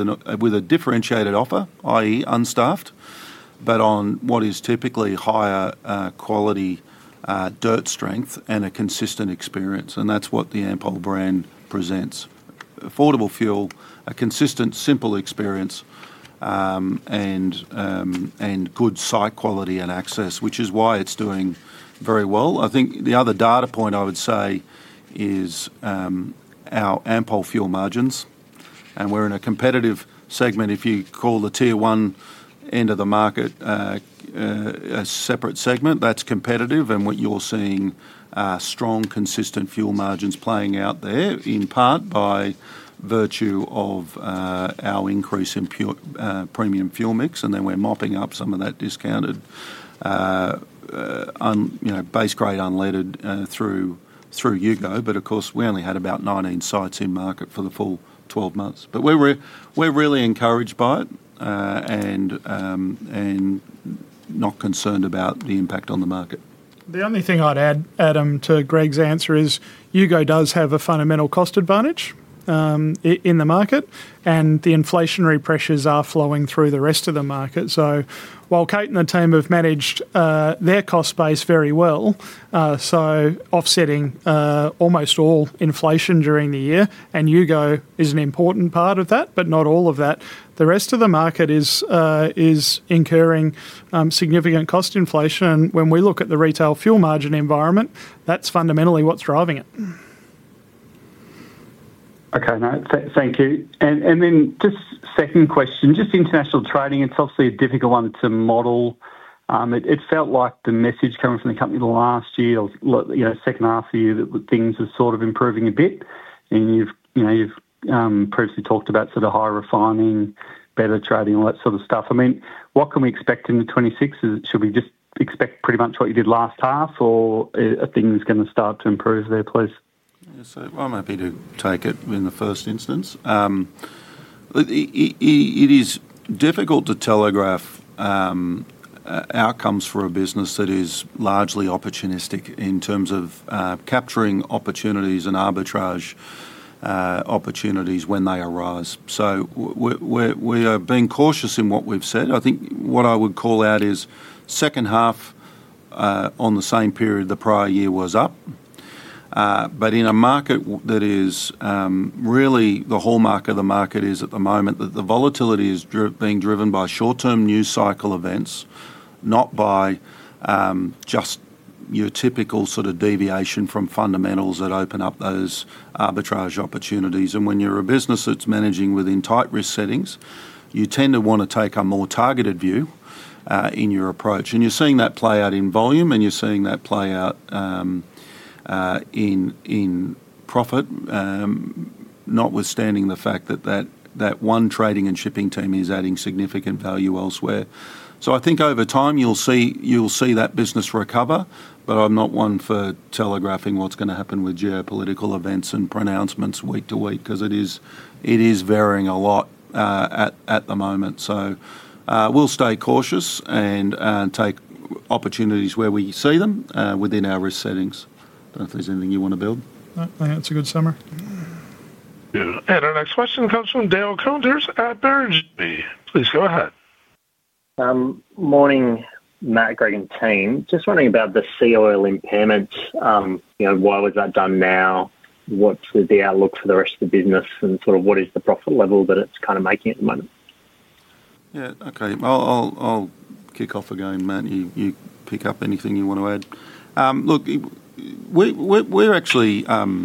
a differentiated offer, i.e., unstaffed, but on what is typically higher quality dirt strength and a consistent experience, and that's what the Ampol brand presents. Affordable fuel, a consistent, simple experience, and good site quality and access, which is why it's doing very well. I think the other data point I would say is our Ampol fuel margins, and we're in a competitive segment. If you call the Tier 1 end of the market, a separate segment, that's competitive, and what you're seeing, strong, consistent fuel margins playing out there, in part by virtue of our increase in pure premium fuel mix, and then we're mopping up some of that discounted, you know, base grade unleaded through U-GO. Of course, we only had about 19 sites in market for the full 12 months. We're, we're, we're really encouraged by it, and not concerned about the impact on the market. The only thing I'd add, Adam, to Greg's answer is U-GO does have a fundamental cost advantage in the market. The inflationary pressures are flowing through the rest of the market. While Kate and the team have managed their cost base very well, so offsetting almost all inflation during the year. U-GO is an important part of that, but not all of that. The rest of the market is incurring significant cost inflation. When we look at the retail fuel margin environment, that's fundamentally what's driving it. Okay, no, thank you. Then just second question, just international trading, it's obviously a difficult one to model. It felt like the message coming from the company the last year or, well, you know, second half of the year, that things were sort of improving a bit. You've, you know, you've previously talked about sort of higher refining, better trading, all that sort of stuff. I mean, what can we expect in 2026? Should we just expect pretty much what you did last half, or are things gonna start to improve there, please? Yes, I'm happy to take it in the first instance. It is difficult to telegraph outcomes for a business that is largely opportunistic in terms of capturing opportunities and arbitrage opportunities when they arise. We are being cautious in what we've said. I think what I would call out is second half on the same period the prior year was up, but in a market that is really the hallmark of the market is at the moment, that the volatility is being driven by short-term news cycle events, not by just your typical sort of deviation from fundamentals that open up those arbitrage opportunities. When you're a business that's managing within tight risk settings, you tend to want to take a more targeted view in your approach. You're seeing that play out in volume, and you're seeing that play out in, in profit, notwithstanding the fact that that, that 1 trading and shipping team is adding significant value elsewhere. I think over time, you'll see, you'll see that business recover, but I'm not 1 for telegraphing what's gonna happen with geopolitical events and pronouncements week to week, 'cause it is, it is varying a lot at, at the moment. We'll stay cautious and, and take opportunities where we see them within our risk settings. I don't know if there's anything you want to build? No, I think that's a good summary. Yeah, and our next question comes from Dale Koenders at Barrenjoey. Please go ahead. Morning, Matt, Greg, and team. Just wondering about the Seaoil impairment. You know, why was that done now? What's the outlook for the rest of the business, and sort of what is the profit level that it's kind of making at the moment? Yeah, okay. I'll, I'll, I'll kick off again, Matt, you, you pick up anything you wanna add. Look, we, we're, we're actually, you know,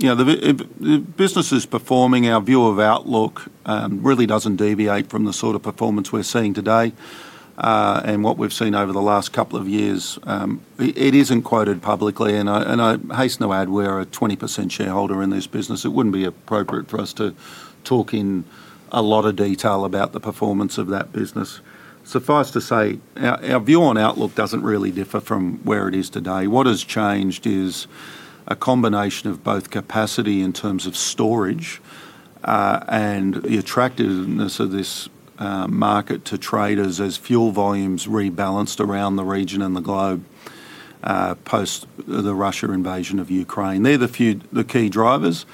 if the business is performing, our view of outlook really doesn't deviate from the sort of performance we're seeing today, and what we've seen over the last couple of years. It isn't quoted publicly, and I, and I haste no ad, we're a 20% shareholder in this business. It wouldn't be appropriate for us to talk in a lot of detail about the performance of that business. Suffice to say, our, our view on outlook doesn't really differ from where it is today. What has changed is a combination of both capacity in terms of storage, and the attractiveness of this market to traders as fuel volumes rebalanced around the region and the globe, post the Russia invasion of Ukraine. They're the key drivers.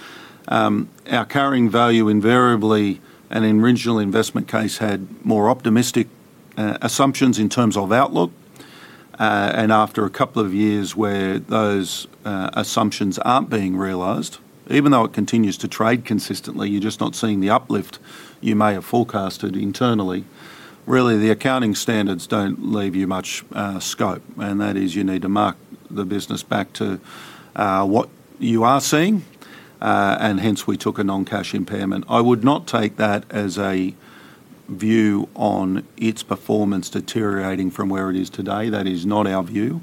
Our carrying value, invariably, and in original investment case, had more optimistic assumptions in terms of outlook. After a couple of years where those assumptions aren't being realized, even though it continues to trade consistently, you're just not seeing the uplift you may have forecasted internally. Really, the accounting standards don't leave you much scope, and that is you need to mark the business back to what you are seeing, and hence, we took a non-cash impairment. I would not take that as a view on its performance deteriorating from where it is today. That is not our view.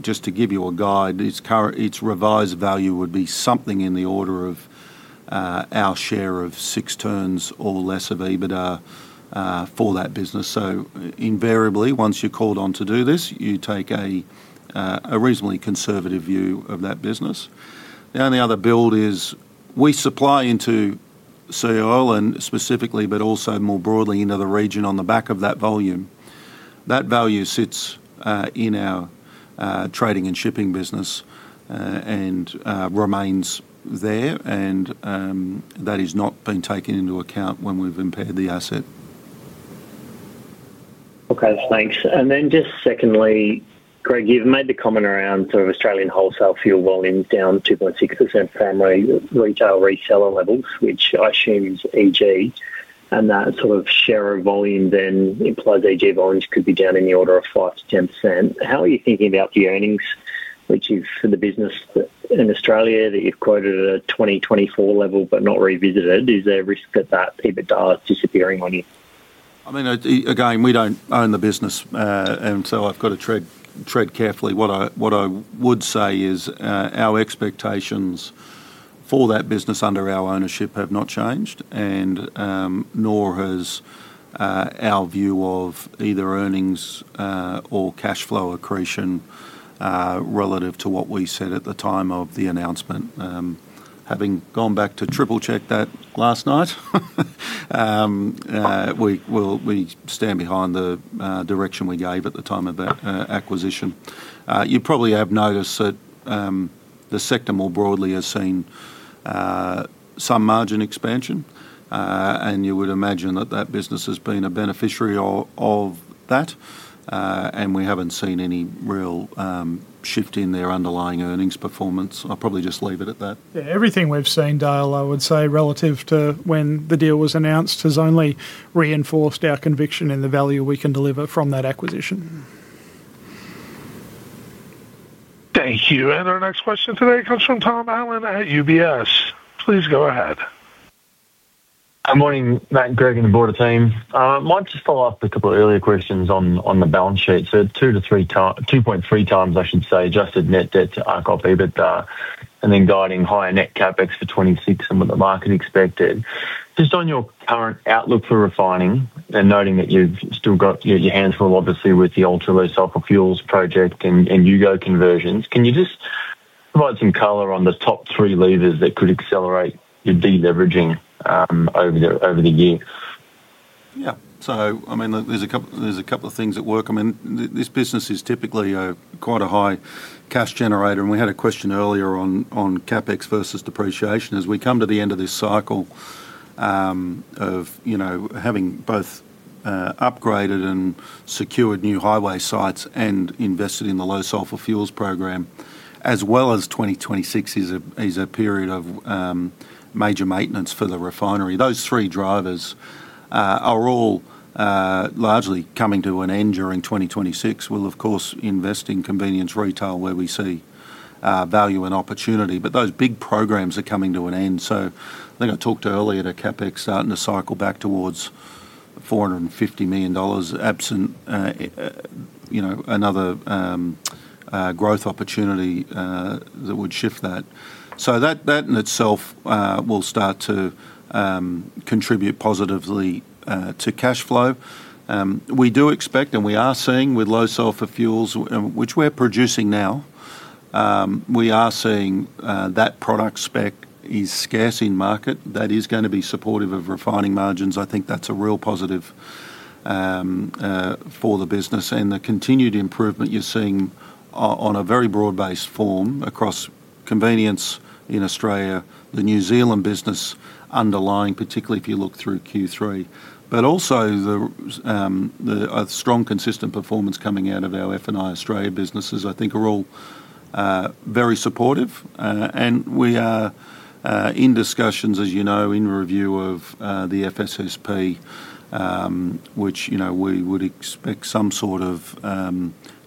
Just to give you a guide, its revised value would be something in the order of our share of 6 turns or less of EBITDA for that business. Invariably, once you're called on to do this, you take a reasonably conservative view of that business. The only other build is we supply into Seaoil and specifically, but also more broadly into the region on the back of that volume. That value sits in our Trading and Shipping business and remains there, and that is not been taken into account when we've impaired the asset. Okay, thanks. Then just secondly, Greg, you've made the comment around sort of Australian wholesale fuel volumes down 2.6% family, retail reseller levels, which I assume is EG, and that sort of share of volume then implies EG volumes could be down in the order of 5%-10%. How are you thinking about the earnings, which is for the business that in Australia, that you've quoted at a 2024 level but not revisited? Is there a risk that that EBITDA is disappearing on you? I mean, again, we don't own the business, so I've got to tread, tread carefully. What I, what I would say is, our expectations for that business under our ownership have not changed, nor has our view of either earnings or cash flow accretion relative to what we said at the time of the announcement. Having gone back to triple-check that last night, we, well, we stand behind the direction we gave at the time of that acquisition. You probably have noticed that the sector, more broadly, has seen some margin expansion. You would imagine that that business has been a beneficiary of, of that. We haven't seen any real shift in their underlying earnings performance. I'll probably just leave it at that. Yeah, everything we've seen, Dale, I would say, relative to when the deal was announced, has only reinforced our conviction in the value we can deliver from that acquisition. Thank you. Our next question today comes from Tom Allen at UBS. Please go ahead. Good morning, Matt, Greg, and the board of team. Might just follow up a couple of earlier questions on the balance sheet. 2.3x, I should say, adjusted net debt to RCOP EBITDA, and then guiding higher net CapEx for 2026 than what the market expected. On your current outlook for refining and noting that you've still got your hands full, obviously, with the Ultra Low Sulfur Fuels project and U-GO conversions, can you just provide some color on the top 3 levers that could accelerate your deleveraging over the year? Yeah. I mean, there's a couple, there's a couple of things at work. I mean, this business is typically a, quite a high cash generator, and we had a question earlier on, on CapEx versus depreciation. As we come to the end of this cycle, of, you know, having both, upgraded and secured new highway sites and invested in the Low Sulfur Fuels program, as well as 2026 is a, is a period of, major maintenance for the refinery. Those three drivers, are all, largely coming to an end during 2026. We'll, of course, invest in Convenience Retail where we see, value and opportunity, but those big programs are coming to an end. I think I talked earlier to CapEx starting to cycle back towards 450 million dollars, absent, you know, another growth opportunity that would shift that. That, that in itself, will start to contribute positively to cash flow. We do expect, and we are seeing with low sulfur fuels, which we're producing now, we are seeing that product spec is scarce in market. That is gonna be supportive of refining margins. I think that's a real positive for the business, and the continued improvement you're seeing on a very broad-based form across convenience in Australia, the New Zealand business underlying, particularly if you look through Q3. Also the strong consistent performance coming out of our F&I Australia businesses, I think are all very supportive. We are in discussions, as you know, in review of the FSSP, which, you know, we would expect some sort of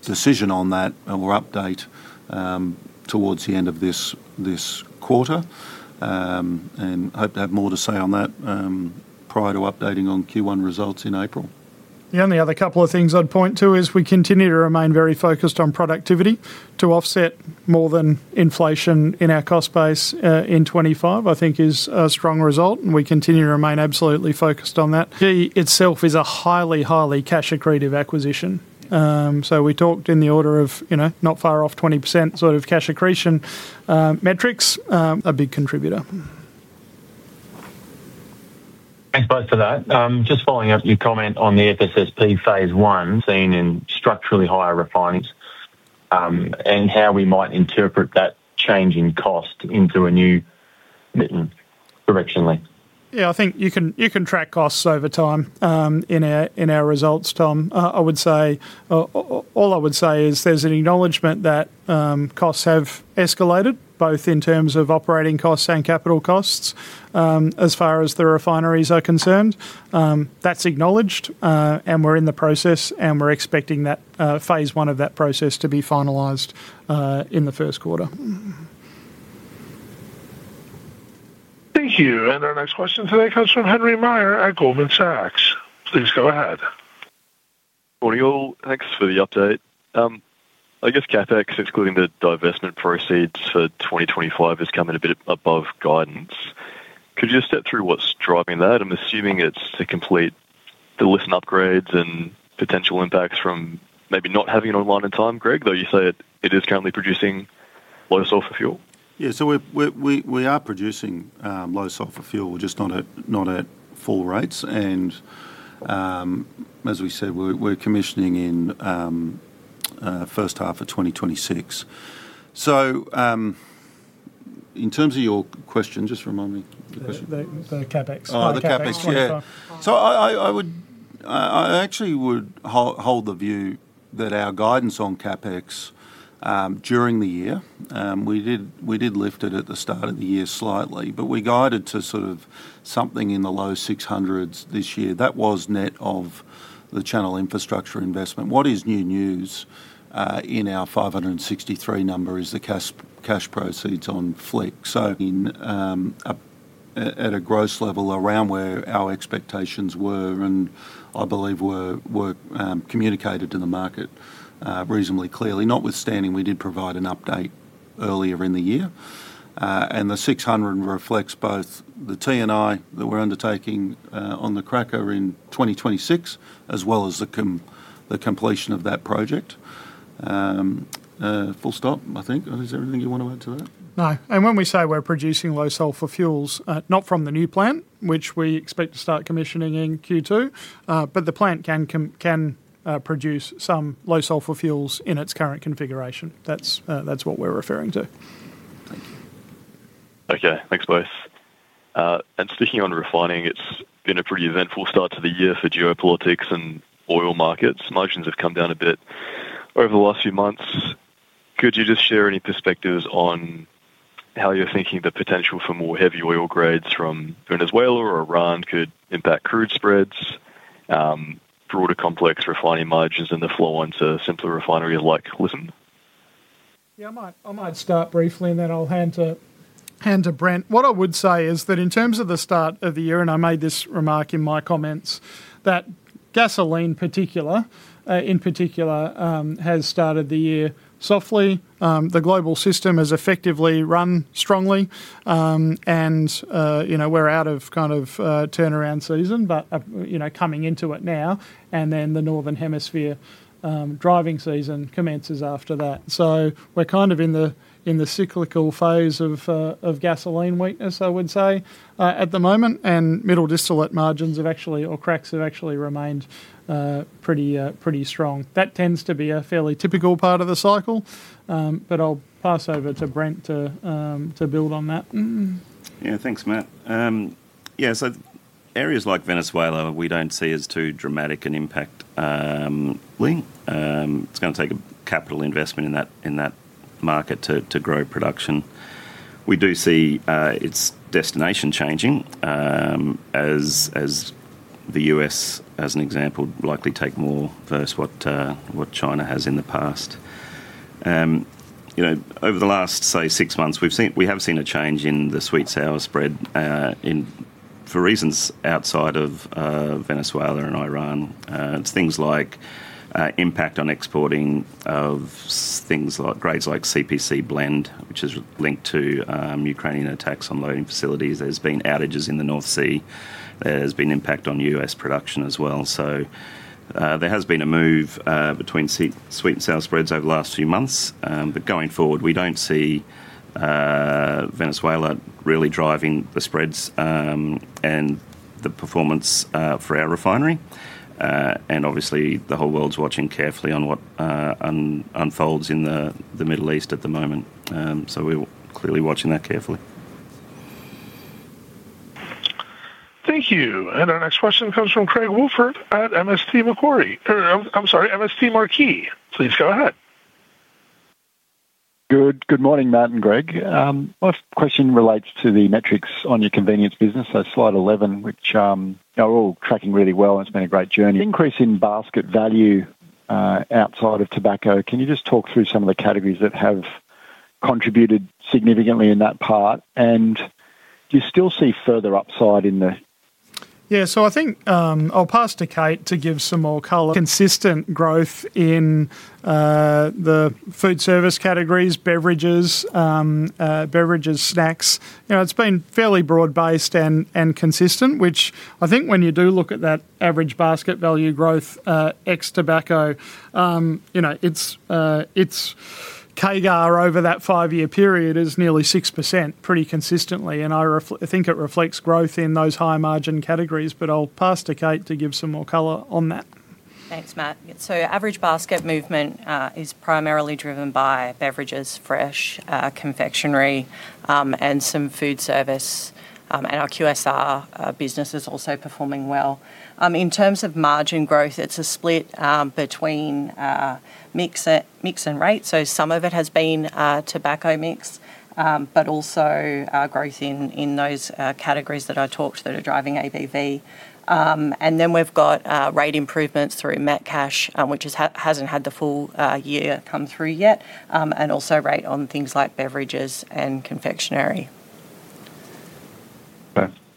decision on that or update towards the end of this, this quarter. Hope to have more to say on that prior to updating on Q1 results in April. Yeah, the other couple of things I'd point to is we continue to remain very focused on productivity to offset more than inflation in our cost base, in 2025, I think is a strong result, and we continue to remain absolutely focused on that. V itself is a highly, highly cash accretive acquisition. So we talked in the order of, you know, not far off 20% sort of cash accretion, metrics, a big contributor. Thanks both for that. Just following up your comment on the FSSP Phase One, seen in structurally higher refines, and how we might interpret that change in cost into a new mid-term, directionally? Yeah, I think you can track costs over time in our results, Tom. I would say, all I would say is there's an acknowledgement that costs have escalated, both in terms of operating costs and capital costs, as far as the refineries are concerned. That's acknowledged, and we're in the process, and we're expecting that phase one of that process to be finalized in the first quarter. Thank you. Our next question today comes from Henry Meyer at Goldman Sachs. Please go ahead. Morning, all. Thanks for the update. I guess CapEx, excluding the divestment proceeds for 2025, has come in a bit above guidance. Could you just step through what's driving that? I'm assuming it's to complete the Lytton upgrades and potential impacts from maybe not having it online in time, Greg, though you say it, it is currently producing low sulfur fuel. Yeah, we're producing low sulfur fuel, just not at, not at full rates. As we said, we're commissioning in first half of 2026. In terms of your question, just remind me the question. The, the CapEx. The CapEx, yeah. 2025. I actually would hold the view that our guidance on CapEx during the year, we did, we did lift it at the start of the year slightly, but we guided to sort of something in the low AUD 600s this year. That was net of the Channel Infrastructure investment. What is new news in our 563 number is the cash, cash proceeds on Flick. At a gross level, around where our expectations were, and I believe were communicated to the market reasonably clearly, notwithstanding we did provide an update earlier in the year. The 600 reflects both the T&I that we're undertaking on the cracker in 2026, as well as the completion of that project. Full stop, I think. Is there anything you want to add to that? No. When we say we're producing low sulfur fuels, not from the new plant, which we expect to start commissioning in Q2, but the plant can produce some low sulfur fuels in its current configuration. That's what we're referring to. Okay. Thanks, both. Sticking on refining, it's been a pretty eventful start to the year for geopolitics and oil markets. Margins have come down a bit over the last few months. Could you just share any perspectives on how you're thinking the potential for more heavy oil grades from Venezuela or Iran could impact crude spreads, broader complex refining margins and the flow into a simpler refinery like Lytton? I might, I might start briefly, and then I'll hand to, hand to Brent. What I would say is that in terms of the start of the year, and I made this remark in my comments, that gasoline particular, in particular, has started the year softly. The global system has effectively run strongly, and, you know, we're out of kind of turnaround season, but, you know, coming into it now, and then the northern hemisphere driving season commences after that. We're kind of in the, in the cyclical phase of gasoline weakness, I would say, at the moment, and middle distillate margins have actually or cracks have actually remained pretty, pretty strong. That tends to be a fairly typical part of the cycle, but I'll pass over to Brent to build on that. Yeah, thanks, Matt. Yeah, areas like Venezuela, we don't see as too dramatic an impact. It's going to take a capital investment in that, in that market to, to grow production. We do see its destination changing as, as the US, as an example, likely take more versus what China has in the past. You know, over the last, say, six months, we have seen a change in the sweet-sour spread for reasons outside of Venezuela and Iran. It's things like impact on exporting of things like, grades like CPC Blend, which is linked to Ukrainian attacks on loading facilities. There's been outages in the North Sea. There's been impact on US production as well. There has been a move between sweet and sour spreads over the last few months. Going forward, we don't see Venezuela really driving the spreads and the performance for our refinery. Obviously, the whole world's watching carefully on what unfolds in the Middle East at the moment. We're clearly watching that carefully. Thank you. Our next question comes from Craig Woolford at MST Marquee, I'm, I'm sorry, MST Marquee. Please go ahead. Good, good morning, Matt and Greg. My question relates to the metrics on your Convenience Retail business, so slide 11, which are all tracking really well, and it's been a great journey. Increase in basket value, outside of tobacco, can you just talk through some of the categories that have contributed significantly in that part? Do you still see further upside in there? Yeah, so I think, I'll pass to Kate to give some more color. Consistent growth in the food service categories, beverages, beverages, snacks. You know, it's been fairly broad-based and consistent, which I think when you do look at that average basket value growth, ex tobacco, you know, it's its CAGR over that five-year period is nearly 6% pretty consistently, and I think it reflects growth in those high-margin categories, but I'll pass to Kate to give some more color on that. Thanks, Matt. Average basket movement is primarily driven by beverages, fresh, confectionery, and some food service, and our QSR business is also performing well. In terms of margin growth, it's a split between mix and rate. Some of it has been tobacco mix, but also growth in, in those categories that I talked that are driving ABV. And then we've got rate improvements through Metcash, which hasn't had the full year come through yet, and also rate on things like beverages and confectionery.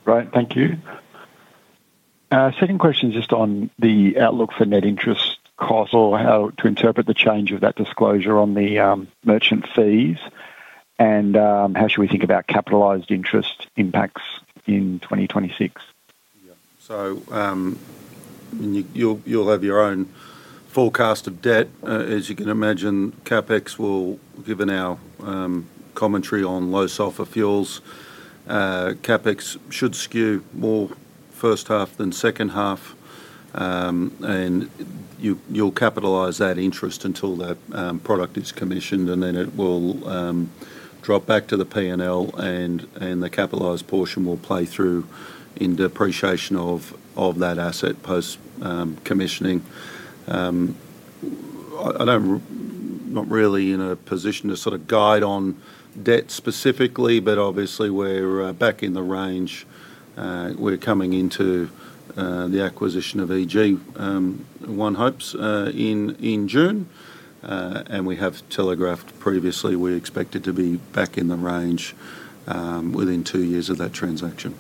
Okay. Great, thank you. Second question is just on the outlook for net interest cost or how to interpret the change of that disclosure on the merchant fees, and how should we think about capitalized interest impacts in 2026? Yeah. You, you'll, you'll have your own forecast of debt. As you can imagine, CapEx will, given our commentary on low sulfur fuels, CapEx should skew more first half than second half. You, you'll capitalize that interest until that product is commissioned, and then it will drop back to the P&L, and the capitalized portion will play through in depreciation of that asset post commissioning. I, I don't really in a position to sort of guide on debt specifically, but obviously we're back in the range. We're coming into the acquisition of EG, one hopes, in June. We have telegraphed previously, we expect it to be back in the range within 2 years of that transaction.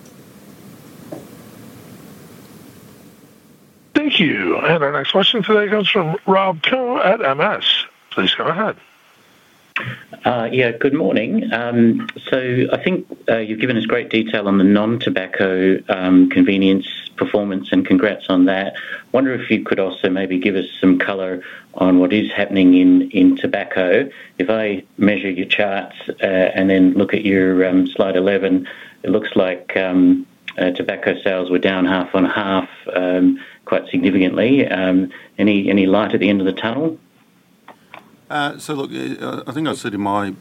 Thank you. Our next question today comes from Rob Koh at MS. Please go ahead. Yeah, good morning. I think, you've given us great detail on the non-tobacco, convenience, performance, and congrats on that. Wonder if you could also maybe give us some color on what is happening in, in tobacco. If I measure your charts, and then look at your slide 11, it looks like tobacco sales were down half on half, quite significantly. Any, any light at the end of the tunnel? Look, I think I said in my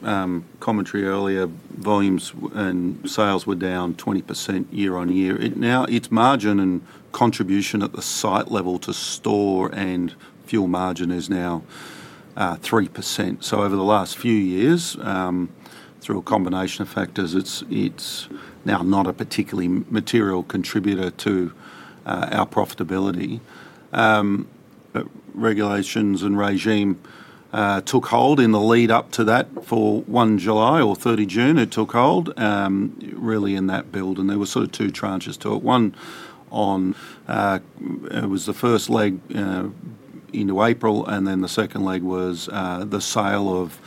commentary earlier, volumes and sales were down 20% year-on-year. Its margin and contribution at the site level to store and fuel margin is now 3%. Over the last few years, through a combination of factors, it's, it's now not a particularly material contributor to our profitability. Regulations and regime took hold in the lead up to that. For 1 July or 30 June, it took hold really in that build, and there were sort of 2 tranches to it. One on, it was the first leg into April, and then the second leg was the sale of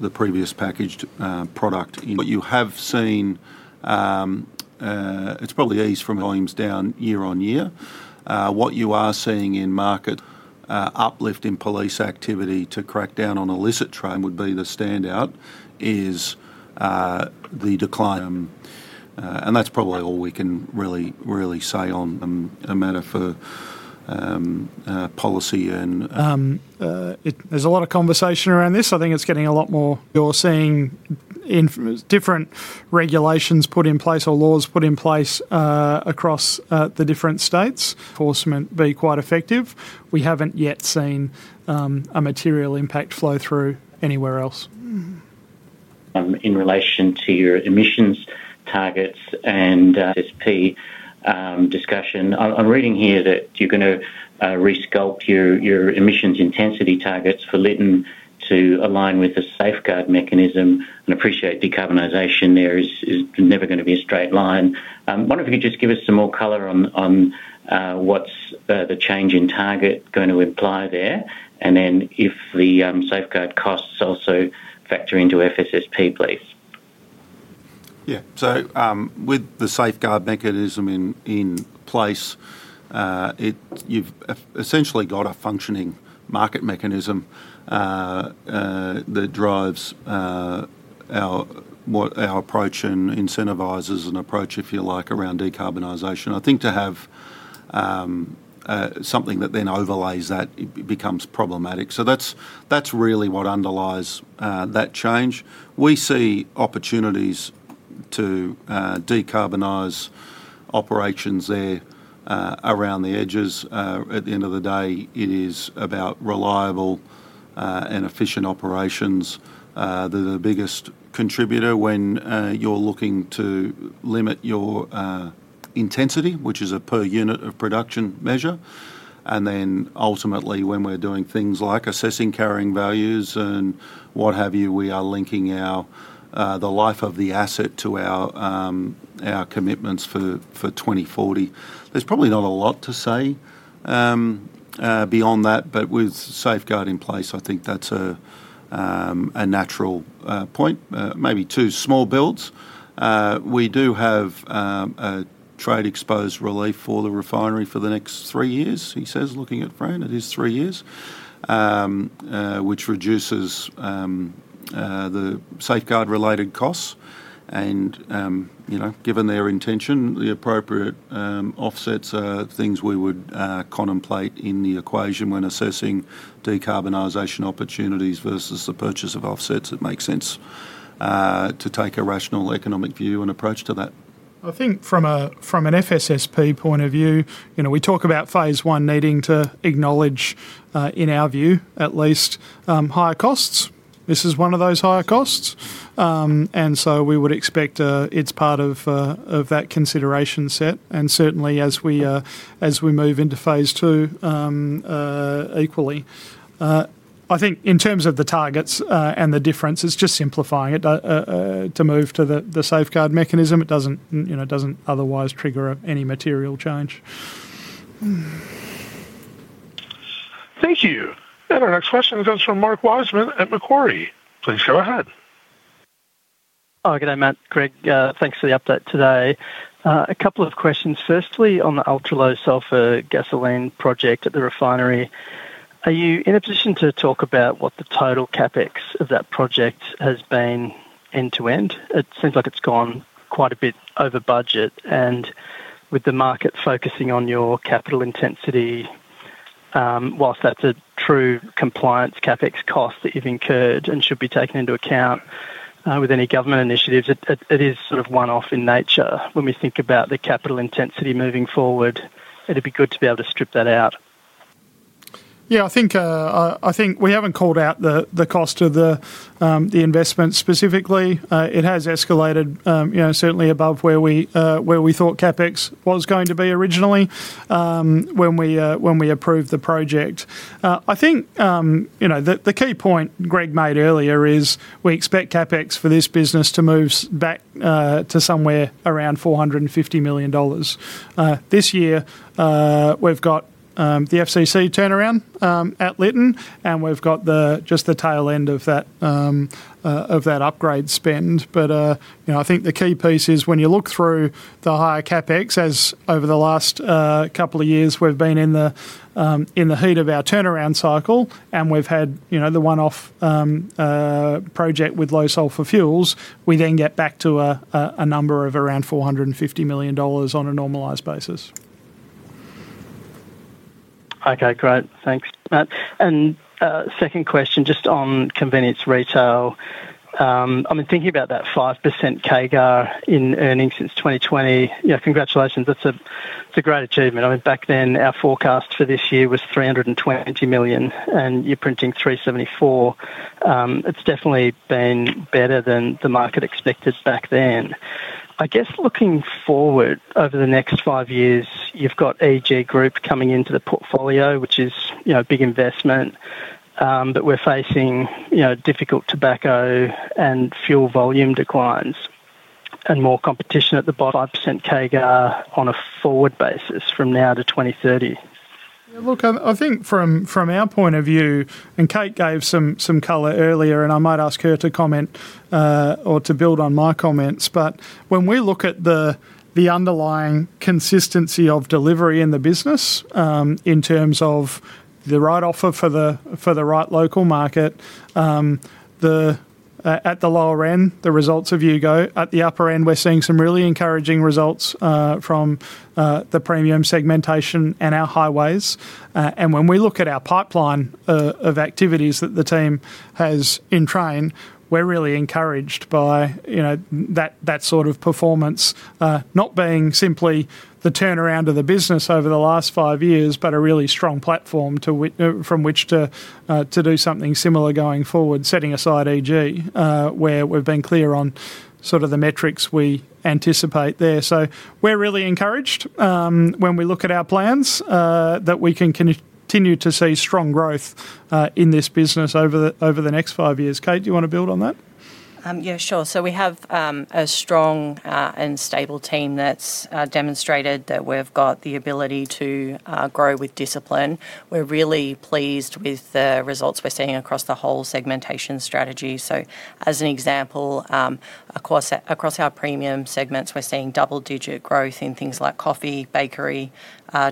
the previous packaged product. You have seen, it's probably eased from volumes down year-on-year. What you are seeing in market, uplift in police activity to crack down on illicit trade would be the standout, is, the decline. That's probably all we can really, really say on, a matter for, policy and. There's a lot of conversation around this. I think it's getting a lot more... You're seeing different regulations put in place or laws put in place across the different states. Enforcement be quite effective. We haven't yet seen a material impact flow through anywhere else. In relation to your emissions targets and FSSP discussion, I'm reading here that you're gonna resculpt your emissions intensity targets for Lytton to align with the Safeguard Mechanism, and appreciate decarbonization there is, is never gonna be a straight line. Wonder if you could just give us some more color on what's the change in target going to imply there, and then if the Safeguard costs also factor into FSSP, please? Yeah. With the Safeguard Mechanism in place, you've essentially got a functioning market mechanism that drives our approach and incentivizes an approach, if you like, around decarbonization. I think something that then overlays that, it becomes problematic. That's, that's really what underlies that change. We see opportunities to decarbonize operations there around the edges. At the end of the day, it is about reliable and efficient operations. They're the biggest contributor when you're looking to limit your intensity, which is a per unit of production measure. Then ultimately, when we're doing things like assessing carrying values and what have you, we are linking our the life of the asset to our commitments for 2040. There's probably not a lot to say beyond that. With Safeguard Mechanism in place, I think that's a natural point. Maybe 2 small builds. We do have a trade exposed relief for the refinery for the next 3 years, he says, looking at Fran, it is 3 years? Which reduces the Safeguard Mechanism related costs and, you know, given their intention, the appropriate offsets are things we would contemplate in the equation when assessing decarbonization opportunities versus the purchase of offsets. It makes sense to take a rational economic view and approach to that. I think from a, from an FSSP point of view, you know, we talk about phase one needing to acknowledge, in our view, at least, higher costs. This is one of those higher costs, and so we would expect, it's part of that consideration set, and certainly as we move into phase two, equally. I think in terms of the targets, and the differences, just simplifying it, to move to the Safeguard Mechanism, it doesn't, you know, it doesn't otherwise trigger any material change. Thank you. Our next question comes from Mark Wiseman at Macquarie. Please go ahead. Oh, g'day, Matt, Greg, thanks for the update today. A couple of questions. Firstly, on the ultra-low sulfur gasoline project at the refinery, are you in a position to talk about what the total CapEx of that project has been end-to-end? It seems like it's gone quite a bit over budget, and with the market focusing on your capital intensity, whilst that's a true compliance CapEx cost that you've incurred and should be taken into account, with any government initiatives, it, it, it is sort of one-off in nature. When we think about the capital intensity moving forward, it'd be good to be able to strip that out. Yeah, I think, I, I think we haven't called out the, the cost of the investment specifically. It has escalated, you know, certainly above where we, where we thought CapEx was going to be originally, when we, when we approved the project. I think, you know, the, the key point Greg made earlier is we expect CapEx for this business to move back, to somewhere around 450 million dollars. This year, we've got the FCC turnaround at Lytton, and we've got the, just the tail end of that upgrade spend. You know, I think the key piece is when you look through the higher CapEx, as over the last couple of years, we've been in the heat of our turnaround cycle, and we've had, you know, the one-off project with low sulfur fuels, we then get back to a number of around 450 million dollars on a normalized basis. Okay, great. Thanks, Matt. Second question, just on Convenience Retail. I've been thinking about that 5% CAGR in earnings since 2020. Yeah, congratulations, that's a, it's a great achievement. I mean, back then, our forecast for this year was 320 million, and you're printing 374. It's definitely been better than the market expected back then. I guess looking forward over the next five years, you've got EG Group coming into the portfolio, which is, you know, a big investment, but we're facing, you know, difficult tobacco and fuel volume declines and more competition at the bottom 5% CAGR on a forward basis from now to 2030. Yeah, look, I, I think from, from our point of view, and Kate gave some, some color earlier, and I might ask her to comment, or to build on my comments, but when we look at the, the underlying consistency of delivery in the business, in terms of the right offer for the, for the right local market, at the lower end, the results of U-GO. At the upper end, we're seeing some really encouraging results, from, the premium segmentation and our highways. When we look at our pipeline of activities that the team has in train, we're really encouraged by, you know, that, that sort of performance, not being simply the turnaround of the business over the last 5 years, but a really strong platform to wi- from which to do something similar going forward, setting aside EG, where we've been clear on sort of the metrics we anticipate there. We're really encouraged, when we look at our plans, that we can continue to see strong growth in this business over the next 5 years. Kate, do you want to build on that? Yeah, sure. We have a strong and stable team that's demonstrated that we've got the ability to grow with discipline. We're really pleased with the results we're seeing across the whole segmentation strategy. As an example, across, across our premium segments, we're seeing double-digit growth in things like coffee, bakery,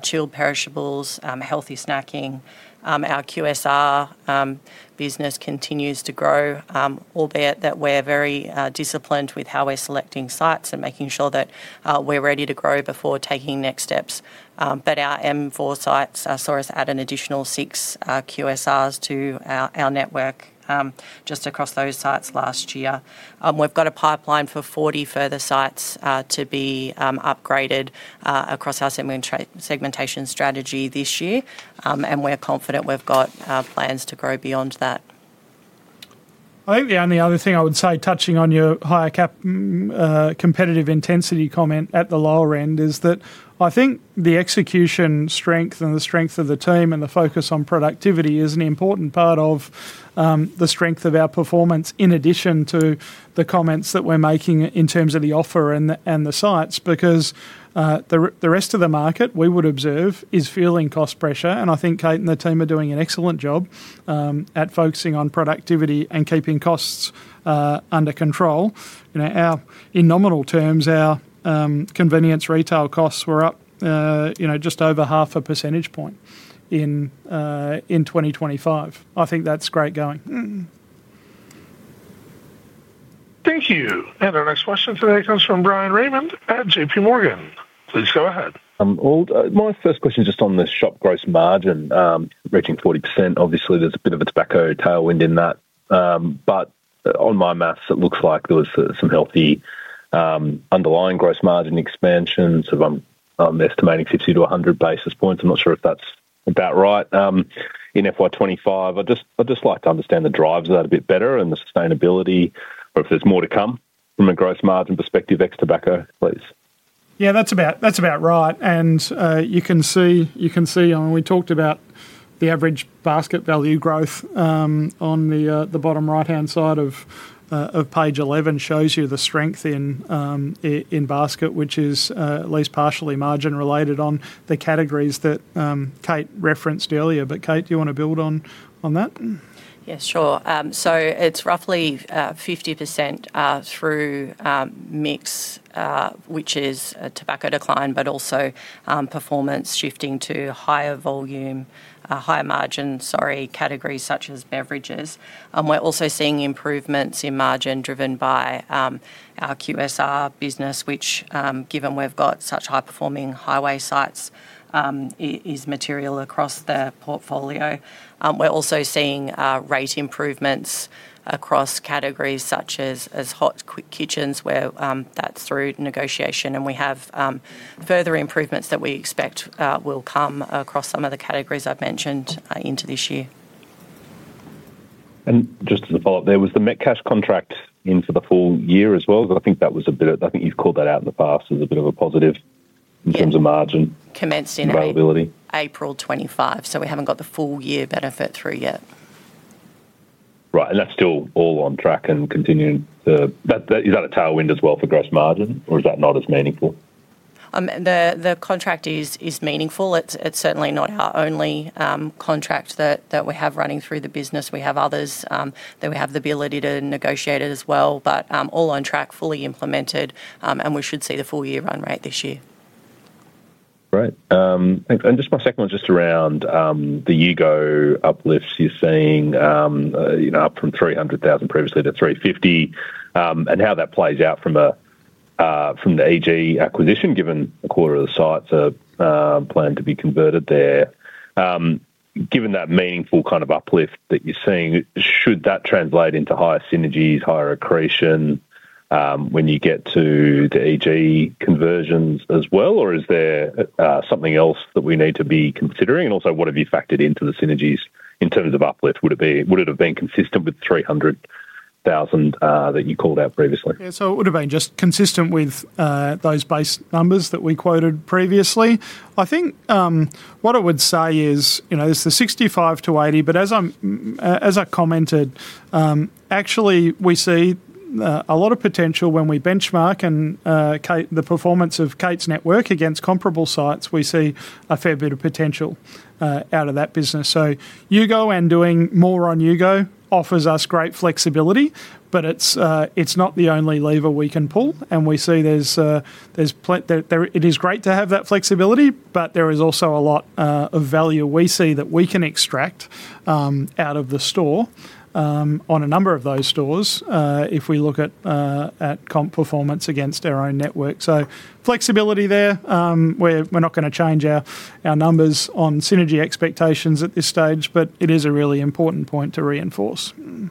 chilled perishables, healthy snacking. Our QSR business continues to grow, albeit that we're very disciplined with how we're selecting sites and making sure that we're ready to grow before taking next steps. Our M4 sites saw us add an additional 6 QSRs to our network just across those sites last year. We've got a pipeline for 40 further sites to be upgraded across our segment, segmentation strategy this year, and we're confident we've got plans to grow beyond that. I think the only other thing I would say, touching on your higher cap competitive intensity comment at the lower end, is that I think the execution strength and the strength of the team and the focus on productivity is an important part of the strength of our performance, in addition to the comments that we're making in terms of the offer and the sites, because the rest of the market, we would observe, is feeling cost pressure. I think Kate and the team are doing an excellent job at focusing on productivity and keeping costs under control. You know, our In nominal terms, our Convenience Retail costs were up, you know, just over 0.5 percentage points in 2025. I think that's great going. Thank you. Our next question today comes from Bryan Raymond at J.P. Morgan. Please go ahead. My first question is just on the shop gross margin reaching 40%. Obviously, there's a bit of a tobacco tailwind in that, but on my maths it looks like there was some healthy, underlying gross margin expansion. I'm estimating 50-100 basis points. I'm not sure if that's about right in FY 2025. I'd just like to understand the drivers of that a bit better and the sustainability, or if there's more to come from a gross margin perspective, ex tobacco, please. Yeah, that's about, that's about right. You can see, you can see, when we talked about the average basket value growth, on the bottom right-hand side of page 11 shows you the strength in in basket, which is at least partially margin related on the categories that Kate referenced earlier. Kate, do you want to build on, on that? It's roughly 50% through mix, which is a tobacco decline, but also performance shifting to higher volume, higher margin, sorry, categories such as beverages. We're also seeing improvements in margin driven by our QSR business, which, given we've got such high-performing highway sites, is material across the portfolio. We're also seeing rate improvements across categories such as, as hot, quick kitchens, where that's through negotiation, and we have further improvements that we expect will come across some of the categories I've mentioned into this year. Just as a follow-up there, was the Metcash contract in for the full year as well? Because I think you've called that out in the past as a bit of a positive. Yeah in terms of margin Commenced -availability? April 25, so we haven't got the full year benefit through yet. Right. That's still all on track and continuing to. Is that a tailwind as well for gross margin, or is that not as meaningful? The, the contract is, is meaningful. It's, it's certainly not our only contract that, that we have running through the business. We have others that we have the ability to negotiate it as well, but all on track, fully implemented, and we should see the full-year run rate this year. Great. Just my second one, just around the U-GO uplifts you're seeing, you know, up from 300,000 previously to 350,000, and how that plays out from the EG acquisition, given a quarter of the sites are planned to be converted there. Given that meaningful kind of uplift that you're seeing, should that translate into higher synergies, higher accretion, when you get to the EG conversions as well, or is there something else that we need to be considering? Also, what have you factored into the synergies in terms of uplift? Would it have been consistent with 300,000 that you called out previously? It would have been just consistent with those base numbers that we quoted previously. I think, what I would say is, you know, it's the 65-80, but as I commented, actually, we see a lot of potential when we benchmark and Kate, the performance of Kate's network against comparable sites, we see a fair bit of potential out of that business. U-GO and doing more on U-GO offers us great flexibility, but it's not the only lever we can pull, and we see there's it is great to have that flexibility, but there is also a lot of value we see that we can extract out of the store on a number of those stores if we look at comp performance against our own network. Flexibility there, we're not gonna change our numbers on synergy expectations at this stage, but it is a really important point to reinforce. Mm.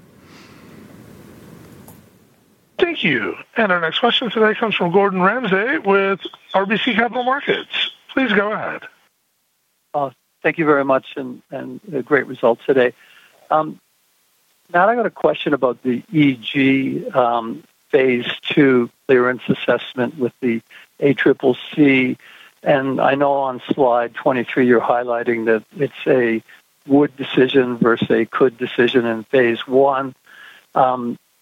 Thank you. Our next question today comes from Gordon Ramsay with RBC Capital Markets. Please go ahead. Thank you very much and, and great results today. I got a question about the EG, phase 2 clearance assessment with the ACCC. I know on slide 23, you're highlighting that it's a would decision versus a could decision in Phase 1.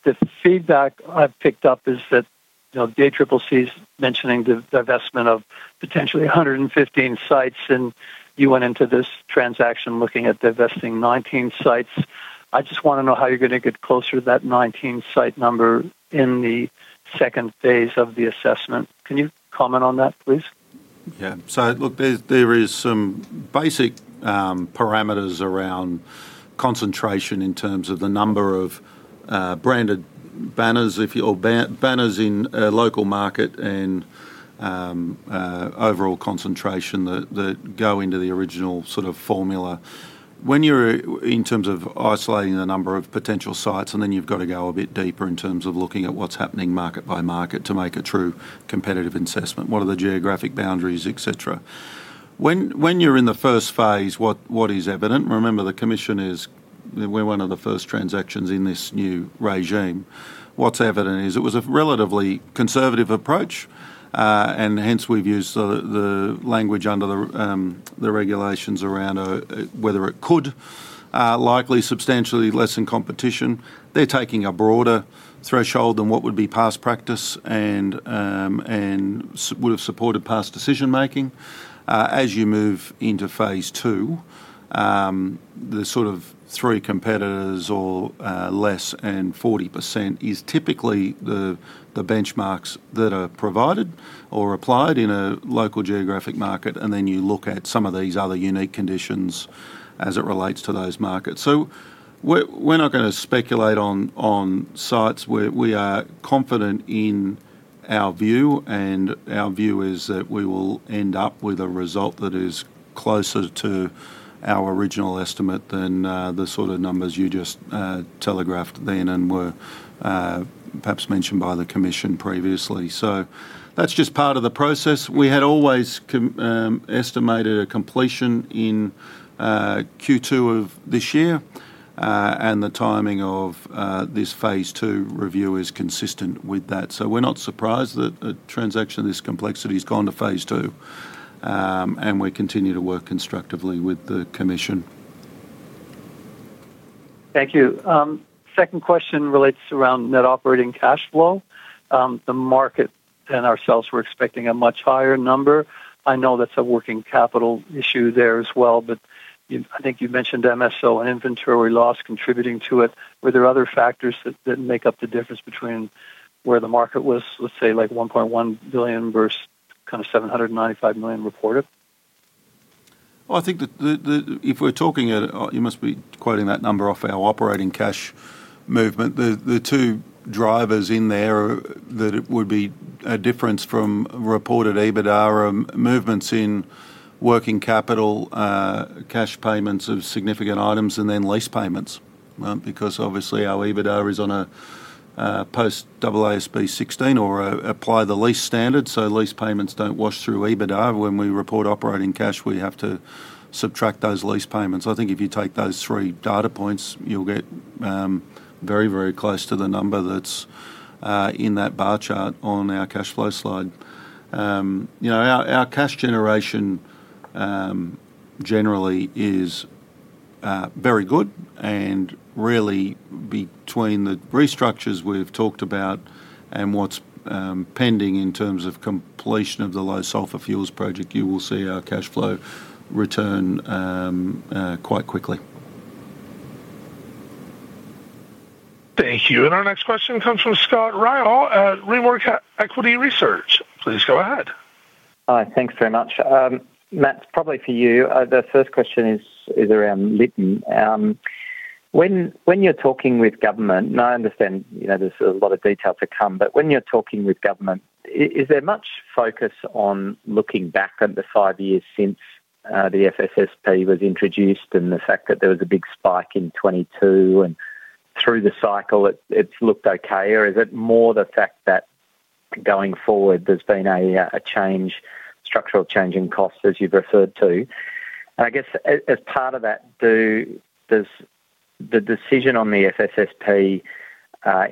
The feedback I've picked up is that, you know, the ACCC's mentioning the divestment of potentially 115 sites, and you went into this transaction looking at divesting 19 sites. I just wanna know how you're gonna get closer to that 19-site number in the second phase of the assessment. Can you comment on that, please? Yeah. Look, there, there is some basic parameters around concentration in terms of the number of branded banners, or banners in a local market and overall concentration that, that go into the original sort of formula. In terms of isolating the number of potential sites, and then you've got to go a bit deeper in terms of looking at what's happening market by market to make a true competitive assessment. What are the geographic boundaries, et cetera?... When, when you're in the first phase, what, what is evident? Remember, the commission is, we're one of the first transactions in this new regime. What's evident is it was a relatively conservative approach, and hence we've used the language under the regulations around whether it could likely substantially lessen competition. They're taking a broader threshold than what would be past practice and would have supported past decision making. As you move into phase two, the sort of 3 competitors or less and 40% is typically the benchmarks that are provided or applied in a local geographic market, and then you look at some of these other unique conditions as it relates to those markets. We're, we're not gonna speculate on, on sites where we are confident in our view, and our view is that we will end up with a result that is closer to our original estimate than the sort of numbers you just telegraphed then and were perhaps mentioned by the commission previously. That's just part of the process. We had always estimated a completion in Q2 of this year. The timing of this phase two review is consistent with that. We're not surprised that a transaction of this complexity has gone to phase two. We continue to work constructively with the Commission. Thank you. Second question relates around net operating cash flow. The market and ourselves were expecting a much higher number. I know that's a working capital issue there as well, but you, I think you mentioned MSO inventory loss contributing to it. Were there other factors that didn't make up the difference between where the market was, let's say, 1.1 billion versus kind of 795 million reported? Well, I think if we're talking, you must be quoting that number off our operating cash movement. The two drivers in there that it would be a difference from reported EBITDA are movements in working capital, cash payments of significant items, and then lease payments. Because obviously our EBITDA is on a post AASB 16 or apply the lease standard, so lease payments don't wash through EBITDA. When we report operating cash, we have to subtract those lease payments. I think if you take those three data points, you'll get very, very close to the number that's in that bar chart on our cash flow slide. You know, our, our cash generation generally is very good and really between the restructures we've talked about and what's pending in terms of completion of the low sulfur fuels project, you will see our cash flow return quite quickly. Thank you. Our next question comes from Scott Ryall at Rimor Equity Research. Please go ahead. Hi, thanks very much. Matt, probably for you, the first question is around Lytton. When, when you're talking with government, and I understand, you know, there's a lot of detail to come, but when you're talking with government, is there much focus on looking back on the 5 years since the FSSP was introduced and the fact that there was a big spike in 2022 and through the cycle, it, it's looked okay? Or is it more the fact that going forward there's been a structural change in costs, as you've referred to? I guess as part of that, does the decision on the FSSP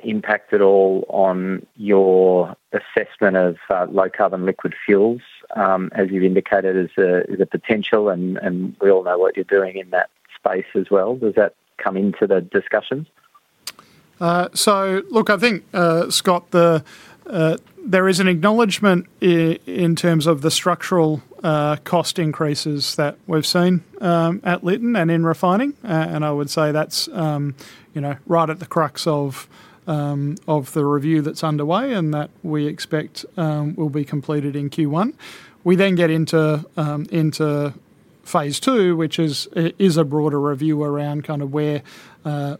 impact at all on your assessment of low carbon liquid fuels, as you've indicated, is a, is a potential and, and we all know what you're doing in that space as well. Does that come into the discussions? Look, I think, Scott, the there is an acknowledgment in terms of the structural cost increases that we've seen at Lytton and in refining. I would say that's, you know, right at the crux of the review that's underway and that we expect will be completed in Q1. We get into phase two, which is, is a broader review around kind of where,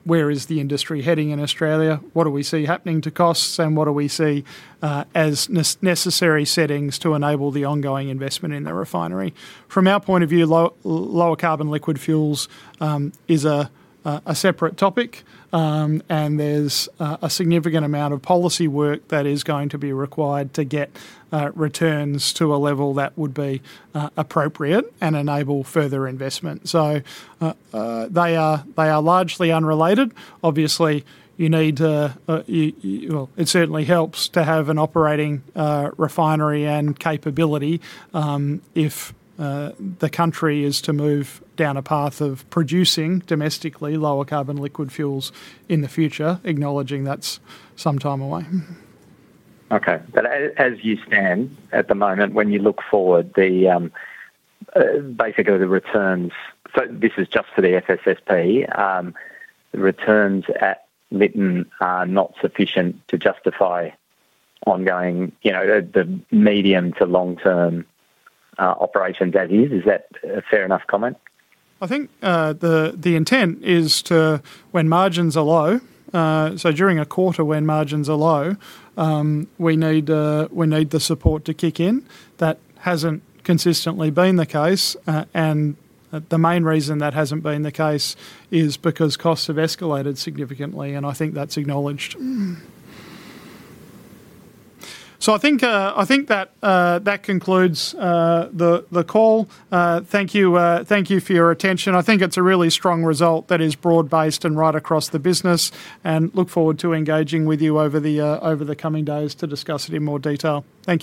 where is the industry heading in Australia? What do we see happening to costs, and what do we see as necessary settings to enable the ongoing investment in the refinery? From our point of view, low- lower carbon liquid fuels, is a, a, a separate topic, and there's a, a significant amount of policy work that is going to be required to get returns to a level that would be appropriate and enable further investment. They are, they are largely unrelated. Obviously, you need, well, it certainly helps to have an operating refinery and capability, if the country is to move down a path of producing domestically, lower carbon liquid fuels in the future, acknowledging that's some time away. Okay, as you stand at the moment, when you look forward, basically the returns, so this is just for the FSSP, the returns at Lytton are not sufficient to justify ongoing, you know, the, the medium to long-term operations as is. Is that a fair enough comment? I think, the, the intent is to, when margins are low, so during a quarter when margins are low, we need, we need the support to kick in. That hasn't consistently been the case, and the main reason that hasn't been the case is because costs have escalated significantly, and I think that's acknowledged. I think, I think that, that concludes, the, the call. Thank you, thank you for your attention. I think it's a really strong result that is broad-based and right across the business, and look forward to engaging with you over the, over the coming days to discuss it in more detail. Thank you.